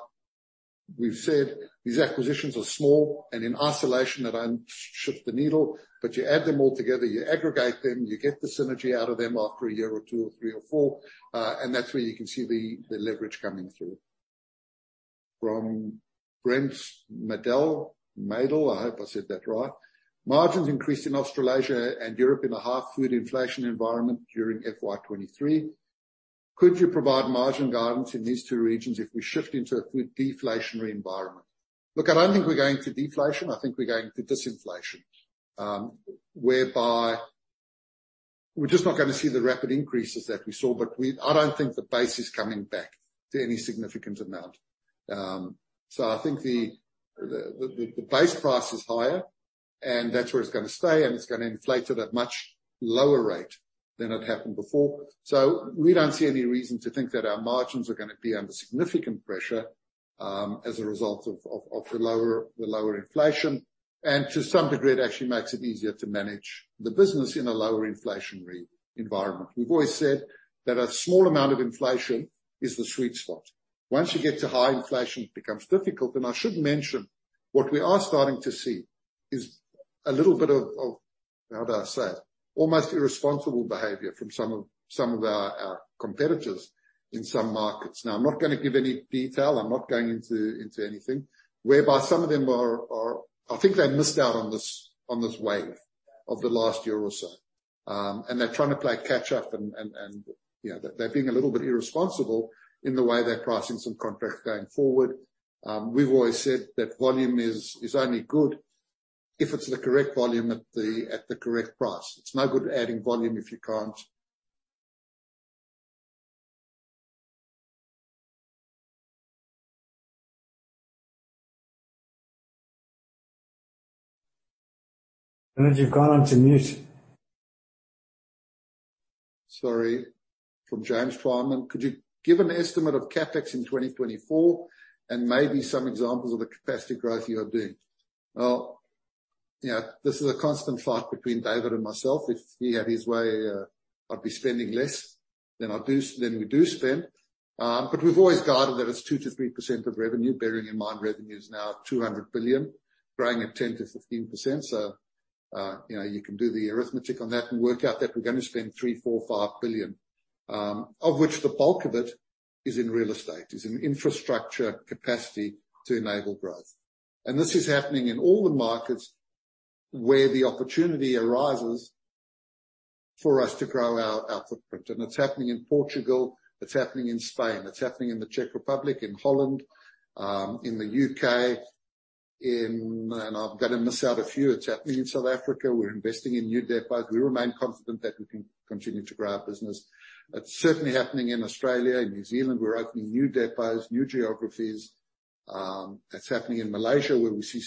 we've said, these acquisitions are small, and in isolation, they don't shift the needle, but you add them all together, you aggregate them, you get the synergy out of them after a year or two or three or four, and that's where you can see the leverage coming through. From Brent Madel, I hope I said that right: Margins increased in Australasia and Europe in a half food inflation environment during FY 2023. Could you provide margin guidance in these two regions if we shift into a food deflationary environment? Look, I don't think we're going to deflation. I think we're going to disinflation, whereby we're just not gonna see the rapid increases that we saw, but I don't think the base is coming back to any significant amount. So I think the base price is higher, and that's where it's gonna stay, and it's gonna inflate at a much lower rate than it happened before. So we don't see any reason to think that our margins are gonna be under significant pressure as a result of the lower inflation, and to some degree, it actually makes it easier to manage the business in a lower inflationary environment. We've always said that a small amount of inflation is the sweet spot. Once you get to high inflation, it becomes difficult, and I should mention, what we are starting to see is a little bit of, how do I say it? Almost irresponsible behavior from some of our competitors in some markets. Now, I'm not gonna give any detail. I'm not going into anything, whereby some of them are... I think they missed out on this, on this wave of the last year or so. And they're trying to play catch up, and, you know, they, they're being a little bit irresponsible in the way they're pricing some contracts going forward. We've always said that volume is only good if it's the correct volume at the correct price. It's no good adding volume if you can't... And you've gone on to mute. Sorry. From James Foreman: Could you give an estimate of CapEx in 2024 and maybe some examples of the capacity growth you are doing? Well, you know, this is a constant fight between David and myself. If he had his way, I'd be spending less than I do, than we do spend. But we've always guided that it's 2%-3% of revenue, bearing in mind revenue is now 200 billion, growing at 10%-15%. So, you know, you can do the arithmetic on that and work out that we're gonna spend 3 billion, 4 billion, 5 billion, of which the bulk of it is in real estate, is in infrastructure capacity to enable growth. And this is happening in all the markets where the opportunity arises for us to grow our, our footprint. It's happening in Portugal, it's happening in Spain, it's happening in the Czech Republic, in Holland, in the. And I'm gonna miss out a few. It's happening in South Africa. We're investing in new depots. We remain confident that we can continue to grow our business. It's certainly happening in Australia and New Zealand. We're opening new depots, new geographies. It's happening in Malaysia, where we see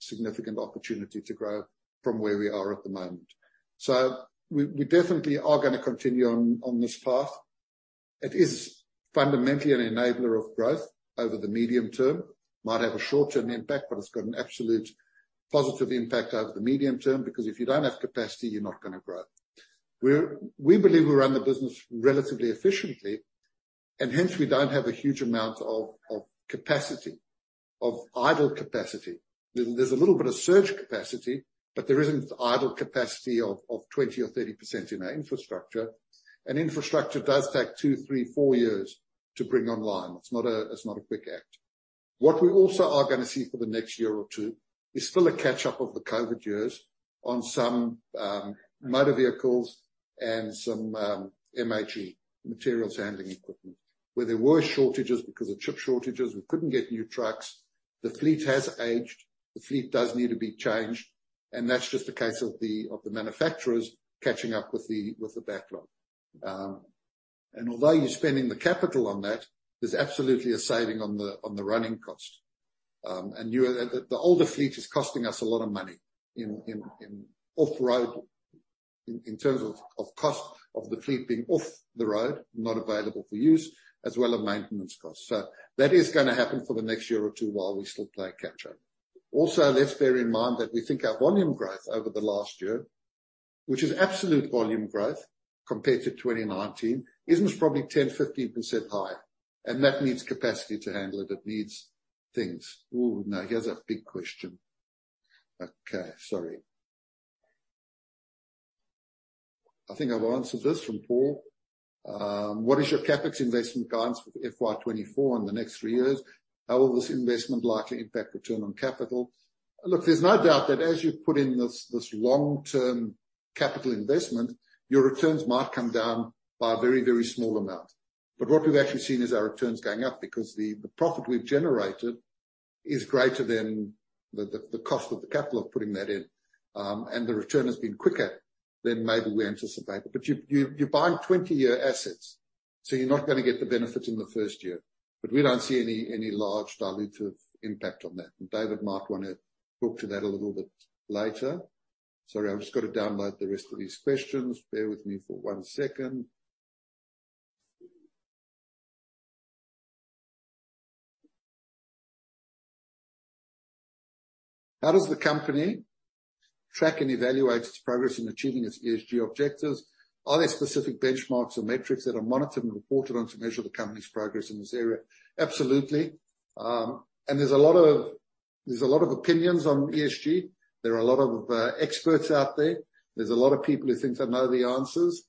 significant opportunity to grow from where we are at the moment. So we definitely are gonna continue on this path. It is fundamentally an enabler of growth over the medium term. Might have a short-term impact, but it's got an absolute positive impact over the medium term, because if you don't have capacity, you're not gonna grow. We believe we run the business relatively efficiently, and hence, we don't have a huge amount of capacity, of idle capacity. There's a little bit of surge capacity, but there isn't idle capacity of 20% or 30% in our infrastructure. And infrastructure does take two, three, four years to bring online. It's not a quick act. What we also are gonna see for the next year or two is still a catch-up of the COVID years on some motor vehicles and some MHE, materials handling equipment, where there were shortages because of chip shortages. We couldn't get new trucks. The fleet has aged, the fleet does need to be changed, and that's just a case of the manufacturers catching up with the backlog. Although you're spending the capital on that, there's absolutely a saving on the running cost. The older fleet is costing us a lot of money in off-road, in terms of cost of the fleet being off the road, not available for use, as well as maintenance costs. So that is gonna happen for the next year or two while we still play catch up. Also, let's bear in mind that we think our volume growth over the last year, which is absolute volume growth compared to 2019, isn't this probably 10, 15% higher, and that needs capacity to handle it. It needs things. Now here's a big question. I think I've answered this from Paul. What is your CapEx investment guidance for FY 2024 in the next three years? How will this investment likely impact return on capital? Look, there's no doubt that as you put in this long-term capital investment, your returns might come down by a very, very small amount. But what we've actually seen is our returns going up because the profit we've generated is greater than the cost of the capital of putting that in, and the return has been quicker than maybe we anticipated. But you, you're buying 20-year assets, so you're not gonna get the benefits in the first year. But we don't see any large dilutive impact on that. And David might want to talk to that a little bit later. Sorry, I've just got to download the rest of these questions. Bear with me for one second. How does the company track and evaluate its progress in achieving its ESG objectives? Are there specific benchmarks or metrics that are monitored and reported on to measure the company's progress in this area? Absolutely. And there's a lot of opinions on ESG. There are a lot of experts out there. There's a lot of people who think they know the answers.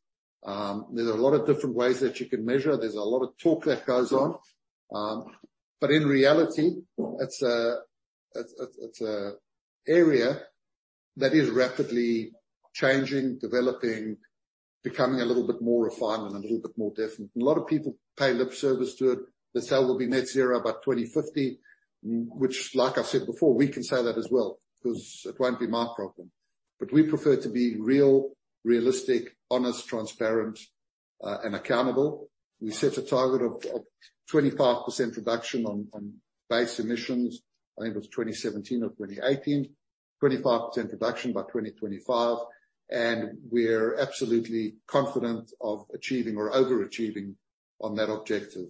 There's a lot of different ways that you can measure. There's a lot of talk that goes on. But in reality, it's an area that is rapidly changing, developing, becoming a little bit more refined and a little bit more different. A lot of people pay lip service to it. They say we'll be net zero by 2050, which, like I said before, we can say that as well, because it won't be my problem. But we prefer to be real, realistic, honest, transparent, and accountable. We set a target of 25% reduction on base emissions. I think it was 2017 or 2018. 25% reduction by 2025, and we're absolutely confident of achieving or overachieving on that objective.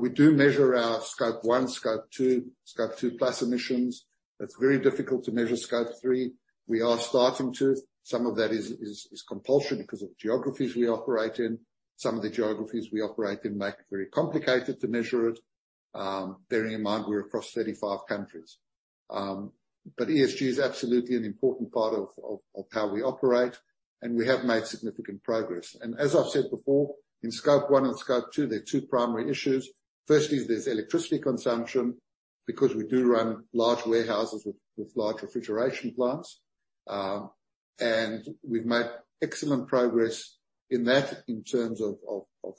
We do measure our Scope 1, Scope 2, Scope 2 + emissions. It's very difficult to measure Scope 3. We are starting to. Some of that is compulsory because of geographies we operate in. Some of the geographies we operate in make it very complicated to measure it, bearing in mind we're across 35 countries. But ESG is absolutely an important part of how we operate, and we have made significant progress. As I've said before, in Scope I and Scope II, there are two primary issues. Firstly, there's electricity consumption, because we do run large warehouses with large refrigeration plants. We've made excellent progress in that in terms of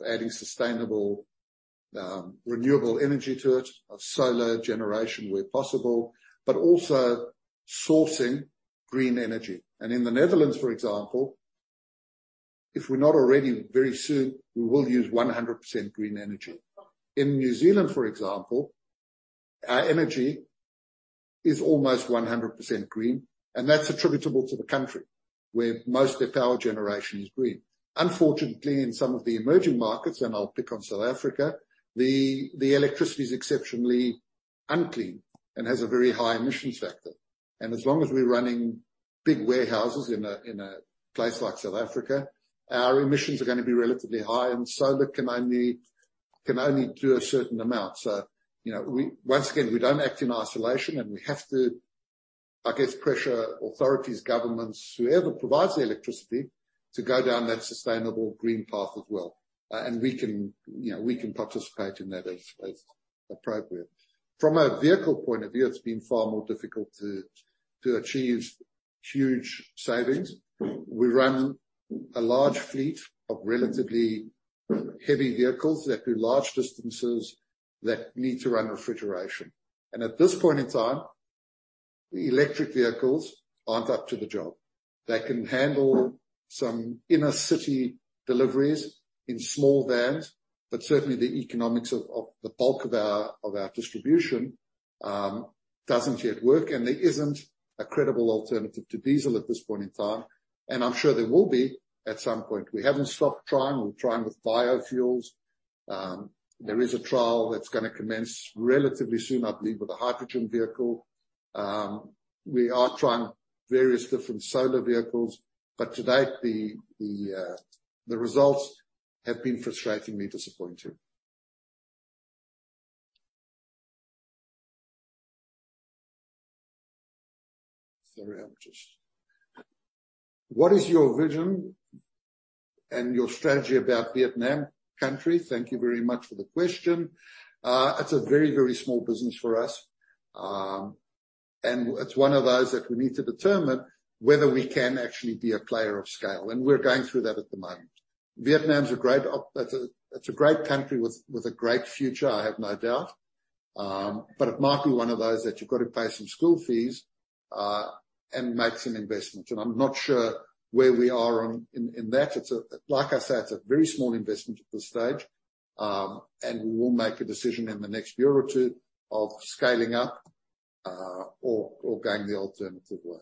adding sustainable, renewable energy to it, of solar generation where possible, but also sourcing green energy. In the Netherlands, for example, if we're not already, very soon, we will use 100% green energy. In New Zealand, for example, our energy is almost 100% green, and that's attributable to the country, where most of their power generation is green. Unfortunately, in some of the emerging markets, and I'll pick on South Africa, the electricity is exceptionally unclean and has a very high emissions factor. As long as we're running big warehouses in a place like South Africa, our emissions are gonna be relatively high, and solar can only do a certain amount. So, you know, we... Once again, we don't act in isolation, and we have to, I guess, pressure authorities, governments, whoever provides the electricity, to go down that sustainable green path as well. And we can, you know, we can participate in that as appropriate. From a vehicle point of view, it's been far more difficult to achieve huge savings. We run a large fleet of relatively heavy vehicles that do large distances that need to run refrigeration. And at this point in time, electric vehicles aren't up to the job. They can handle some inner-city deliveries in small vans, but certainly, the economics of the bulk of our distribution doesn't yet work, and there isn't a credible alternative to diesel at this point in time. And I'm sure there will be at some point. We haven't stopped trying. We're trying with biofuels. There is a trial that's gonna commence relatively soon, I believe, with a hydrogen vehicle. We are trying various different solar vehicles, but to date, the results have been frustratingly disappointing. Sorry, I'll just... What is your vision and your strategy about Vietnam country? Thank you very much for the question. It's a very, very small business for us. And it's one of those that we need to determine whether we can actually be a player of scale, and we're going through that at the moment. Vietnam is a great—it's a great country with a great future, I have no doubt. But it might be one of those that you've got to pay some school fees, and make some investments. And I'm not sure where we are on in that. It's like I said, it's a very small investment at this stage, and we will make a decision in the next year or two of scaling up, or going the alternative way.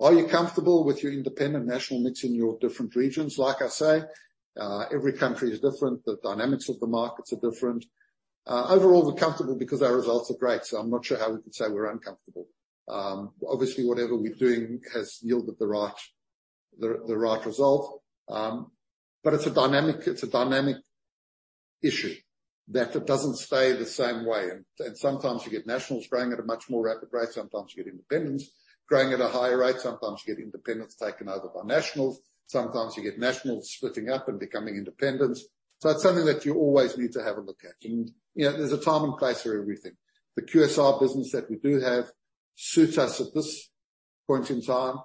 Are you comfortable with your independent national mix in your different regions? Like I say, every country is different. The dynamics of the markets are different. Overall, we're comfortable because our results are great, so I'm not sure how we could say we're uncomfortable. Obviously, whatever we're doing has yielded the right, the right result. But it's a dynamic issue that it doesn't stay the same way, and sometimes you get nationals growing at a much more rapid rate, sometimes you get independents growing at a higher rate, sometimes you get independents taken over by nationals, sometimes you get nationals splitting up and becoming independents. So it's something that you always need to have a look at. And, you know, there's a time and place for everything. The QSR business that we do have suits us at this point in time.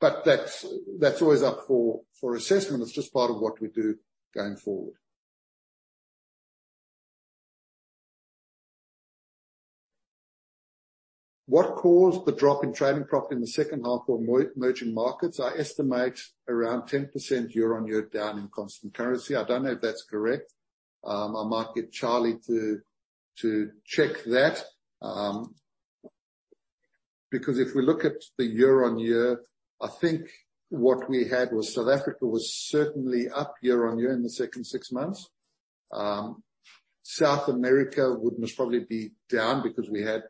But that's, that's always up for, for assessment. It's just part of what we do going forward.... What caused the drop in trading profit in the second half of emerging markets? I estimate around 10% year-on-year, down in constant currency. I don't know if that's correct. I might get Charlie to check that. Because if we look at the year-on-year, I think what we had was South Africa was certainly up year-on-year in the second six months. South America would most probably be down because we had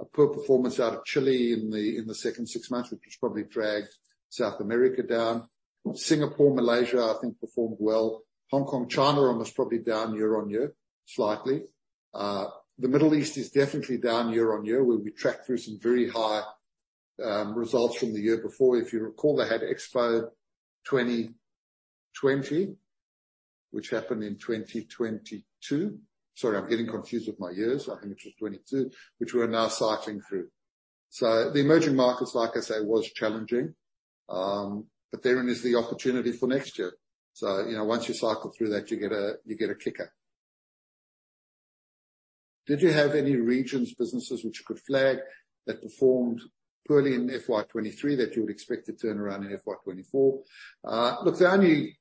a poor performance out of Chile in the second six months, which has probably dragged South America down. Singapore, Malaysia, I think, performed well. Hong Kong, China, are most probably down year-on-year, slightly. The Middle East is definitely down year-on-year, where we tracked through some very high results from the year before. If you recall, they had Expo 2020, which happened in 2022. Sorry, I'm getting confused with my years. I think it was 2022, which we're now cycling through. So the emerging markets, like I say, was challenging, but therein is the opportunity for next year. So, you know, once you cycle through that, you get a kicker. Did you have any regions, businesses which you could flag that performed poorly in FY 2023 that you would expect to turn around in FY 2024? Look, the only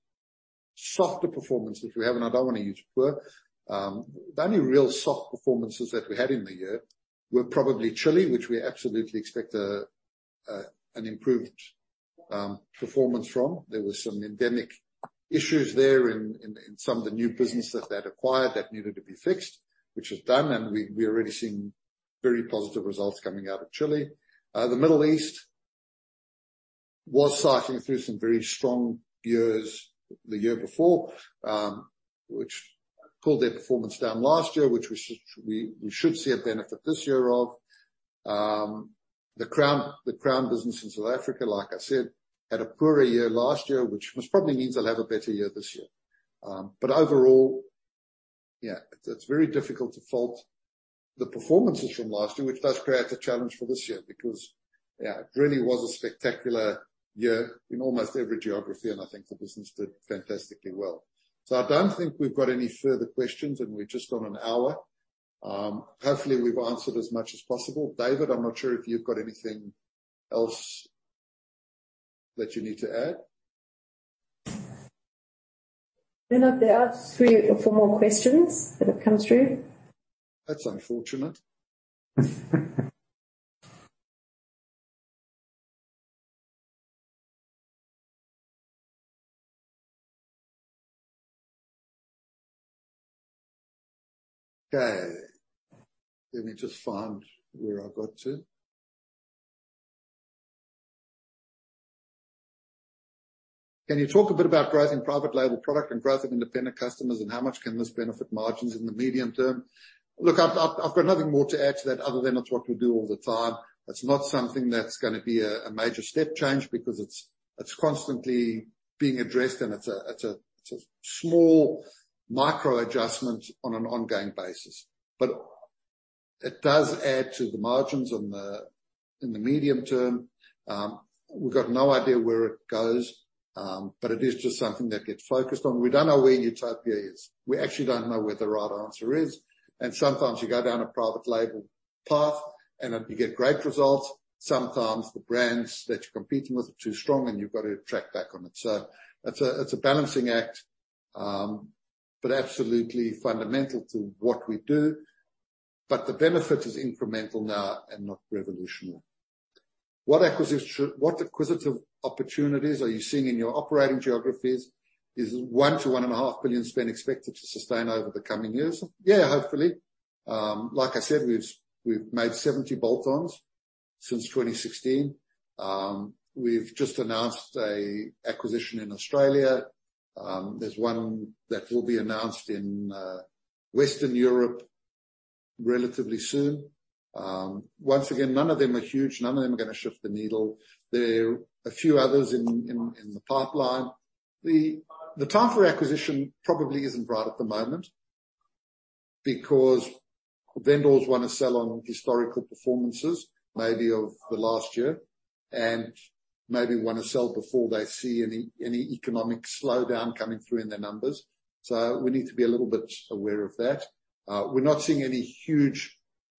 softer performance, if you have, and I don't wanna use poor. The only real soft performances that we had in the year were probably Chile, which we absolutely expect an improved performance from. There were some endemic issues there in some of the new businesses that acquired that needed to be fixed, which was done, and we're already seeing very positive results coming out of Chile. The Middle East was cycling through some very strong years the year before, which pulled their performance down last year, which we should see a benefit this year of. The Crown business in South Africa, like I said, had a poorer year last year, which most probably means they'll have a better year this year. But overall, yeah, it's, it's very difficult to fault the performances from last year, which does create a challenge for this year because, yeah, it really was a spectacular year in almost every geography, and I think the business did fantastically well. So I don't think we've got any further questions, and we're just on an hour. Hopefully, we've answered as much as possible. David, I'm not sure if you've got anything else that you need to add? There are three or four more questions that have come through. That's unfortunate. Okay, let me just find where I got to. Can you talk a bit about growing private label product and growth of independent customers, and how much can this benefit margins in the medium term? Look, I've got nothing more to add to that other than it's what we do all the time. That's not something that's gonna be a major step change because it's constantly being addressed and it's a small micro adjustment on an ongoing basis. But it does add to the margins on the... in the medium term. We've got no idea where it goes, but it is just something that gets focused on. We don't know where Utopia is. We actually don't know where the right answer is, and sometimes you go down a private label path, and then you get great results. Sometimes the brands that you're competing with are too strong, and you've got to track back on it. So it's a balancing act, but absolutely fundamental to what we do, but the benefit is incremental now and not revolutionary. What acquisitive opportunities are you seeing in your operating geographies? Is 1 billion-1.5 billion spend expected to sustain over the coming years? Yeah, hopefully. Like I said, we've made 70 bolt-ons since 2016. We've just announced a acquisition in Australia. There's one that will be announced in Western Europe relatively soon. Once again, none of them are huge. None of them are gonna shift the needle. There are a few others in the pipeline. The time for acquisition probably isn't right at the moment because vendors wanna sell on historical performances, maybe of the last year, and maybe wanna sell before they see any economic slowdown coming through in their numbers. So we need to be a little bit aware of that. We're not seeing any huge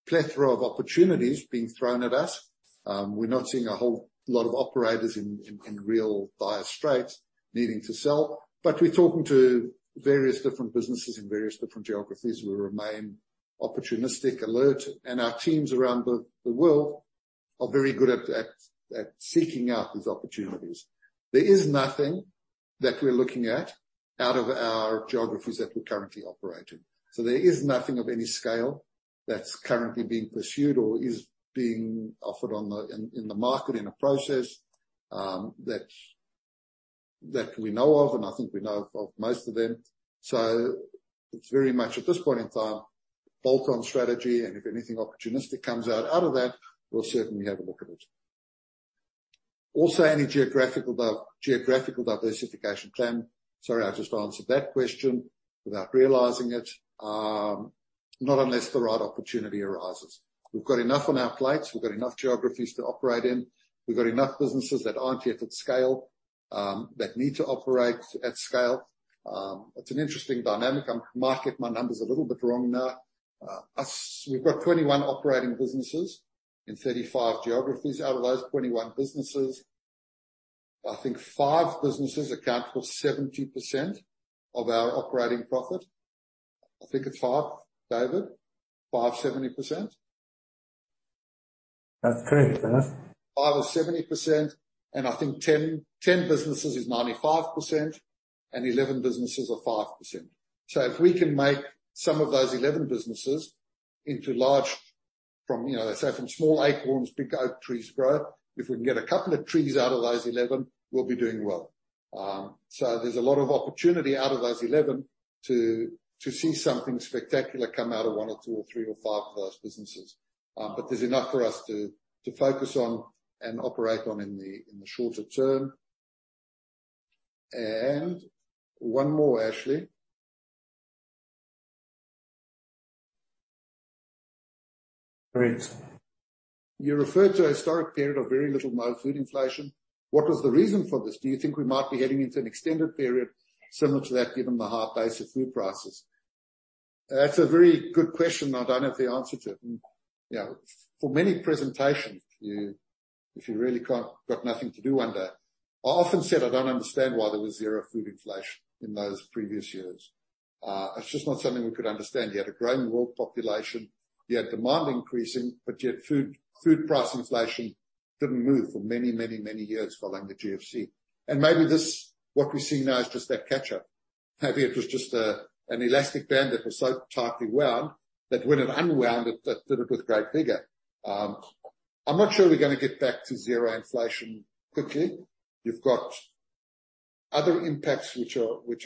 plethora of opportunities being thrown at us. We're not seeing a whole lot of operators in real dire straits needing to sell, but we're talking to various different businesses in various different geographies. We remain opportunistic, alert, and our teams around the world are very good at seeking out these opportunities. There is nothing that we're looking at out of our geographies that we're currently operating. So there is nothing of any scale that's currently being pursued or is being offered on the market in a process that we know of, and I think we know of most of them. So it's very much, at this point in time, bolt-on strategy, and if anything opportunistic comes out of that, we'll certainly have a look at it. Also, any geographical diversification plan? Sorry, I just answered that question without realizing it. Not unless the right opportunity arises. We've got enough on our plates, we've got enough geographies to operate in, we've got enough businesses that aren't yet at scale that need to operate at scale. It's an interesting dynamic. I might get my numbers a little bit wrong now. We've got 21 operating businesses in 35 geographies. Out of those 21 businesses, I think five businesses account for 70% of our operating profit. I think it's five, David? Five, 70%? That's correct, Bernard. five is 70%, and I think 10, 10 businesses is 95%, and 11 businesses are 5%. So if we can make some of those 11 businesses into large from, you know, they say from small acorns, big oak trees grow. If we can get a couple of trees out of those 11, we'll be doing well. So there's a lot of opportunity out of those 11 to, to see something spectacular come out of 1 or 2 or 3 or 5 of those businesses. But there's enough for us to, to focus on and operate on in the, in the shorter term. And one more, Ashley. Great. You referred to a historic period of very little mild food inflation. What was the reason for this? Do you think we might be heading into an extended period similar to that, given the high price of food prices?" That's a very good question, and I don't have the answer to it. You know, for many presentations, if you've got nothing to do one day, I often said I don't understand why there was zero food inflation in those previous years. It's just not something we could understand. You had a growing world population, you had demand increasing, but yet food, food price inflation didn't move for many, many, many years following the GFC. And maybe this, what we see now is just that catch-up. Maybe it was just an elastic band that was so tightly wound, that when it unwound it, it did it with great vigor. I'm not sure we're gonna get back to zero inflation quickly. You've got other impacts which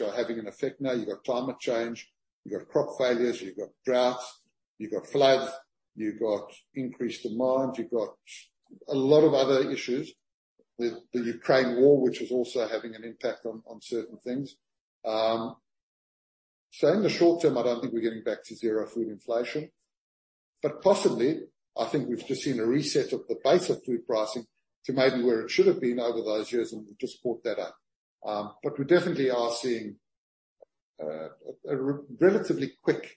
are having an effect now. You've got climate change, you've got crop failures, you've got droughts, you've got floods, you've got increased demand, you've got a lot of other issues. With the raine war, which is also having an impact on certain things. So in the short term, I don't think we're getting back to zero food inflation. But possibly, I think we've just seen a reset of the base of food pricing to maybe where it should have been over those years and just caught that up. But we definitely are seeing a relatively quick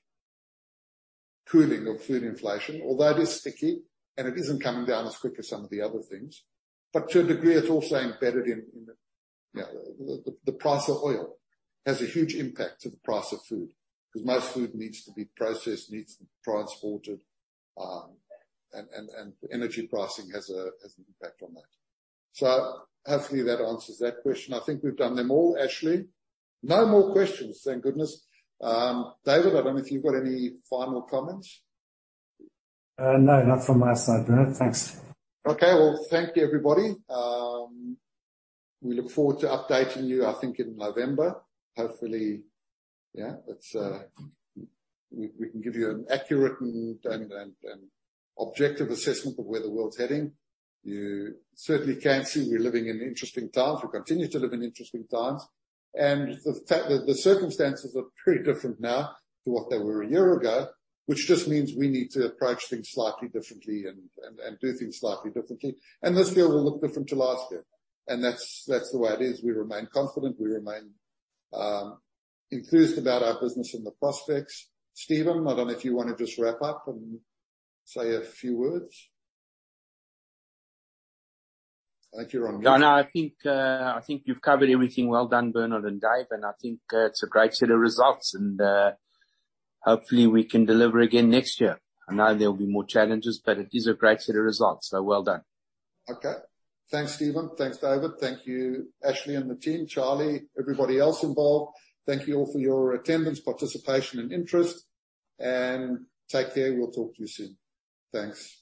cooling of food inflation, although it is sticky and it isn't coming down as quick as some of the other things. But to a degree, it's also embedded in the... You know, the price of oil has a huge impact to the price of food, 'cause most food needs to be processed, needs to be transported, and energy pricing has an impact on that. So hopefully that answers that question. I think we've done them all, Ashley. No more questions, thank goodness. David, I don't know if you've got any final comments? No, not from my side, Bernard. Thanks. Okay. Well, thank you, everybody. We look forward to updating you, I think, in November. Hopefully, yeah, it's we can give you an accurate and objective assessment of where the world's heading. You certainly can see we're living in interesting times. We continue to live in interesting times, and the fact that the circumstances are pretty different now to what they were a year ago, which just means we need to approach things slightly differently and do things slightly differently. And this year will look different to last year, and that's the way it is. We remain confident, we remain enthused about our business and the prospects. Stephen, I don't know if you want to just wrap up and say a few words? Thank you very much. No, no, I think you've covered everything. Well done, Bernard and Dave, and I think it's a great set of results, and hopefully we can deliver again next year. I know there will be more challenges, but it is a great set of results, so well done. Okay. Thanks, Stephen. Thanks, David. Thank you, Ashley and the team, Charlie, everybody else involved. Thank you all for your attendance, participation, and interest, and take care. We'll talk to you soon. Thanks.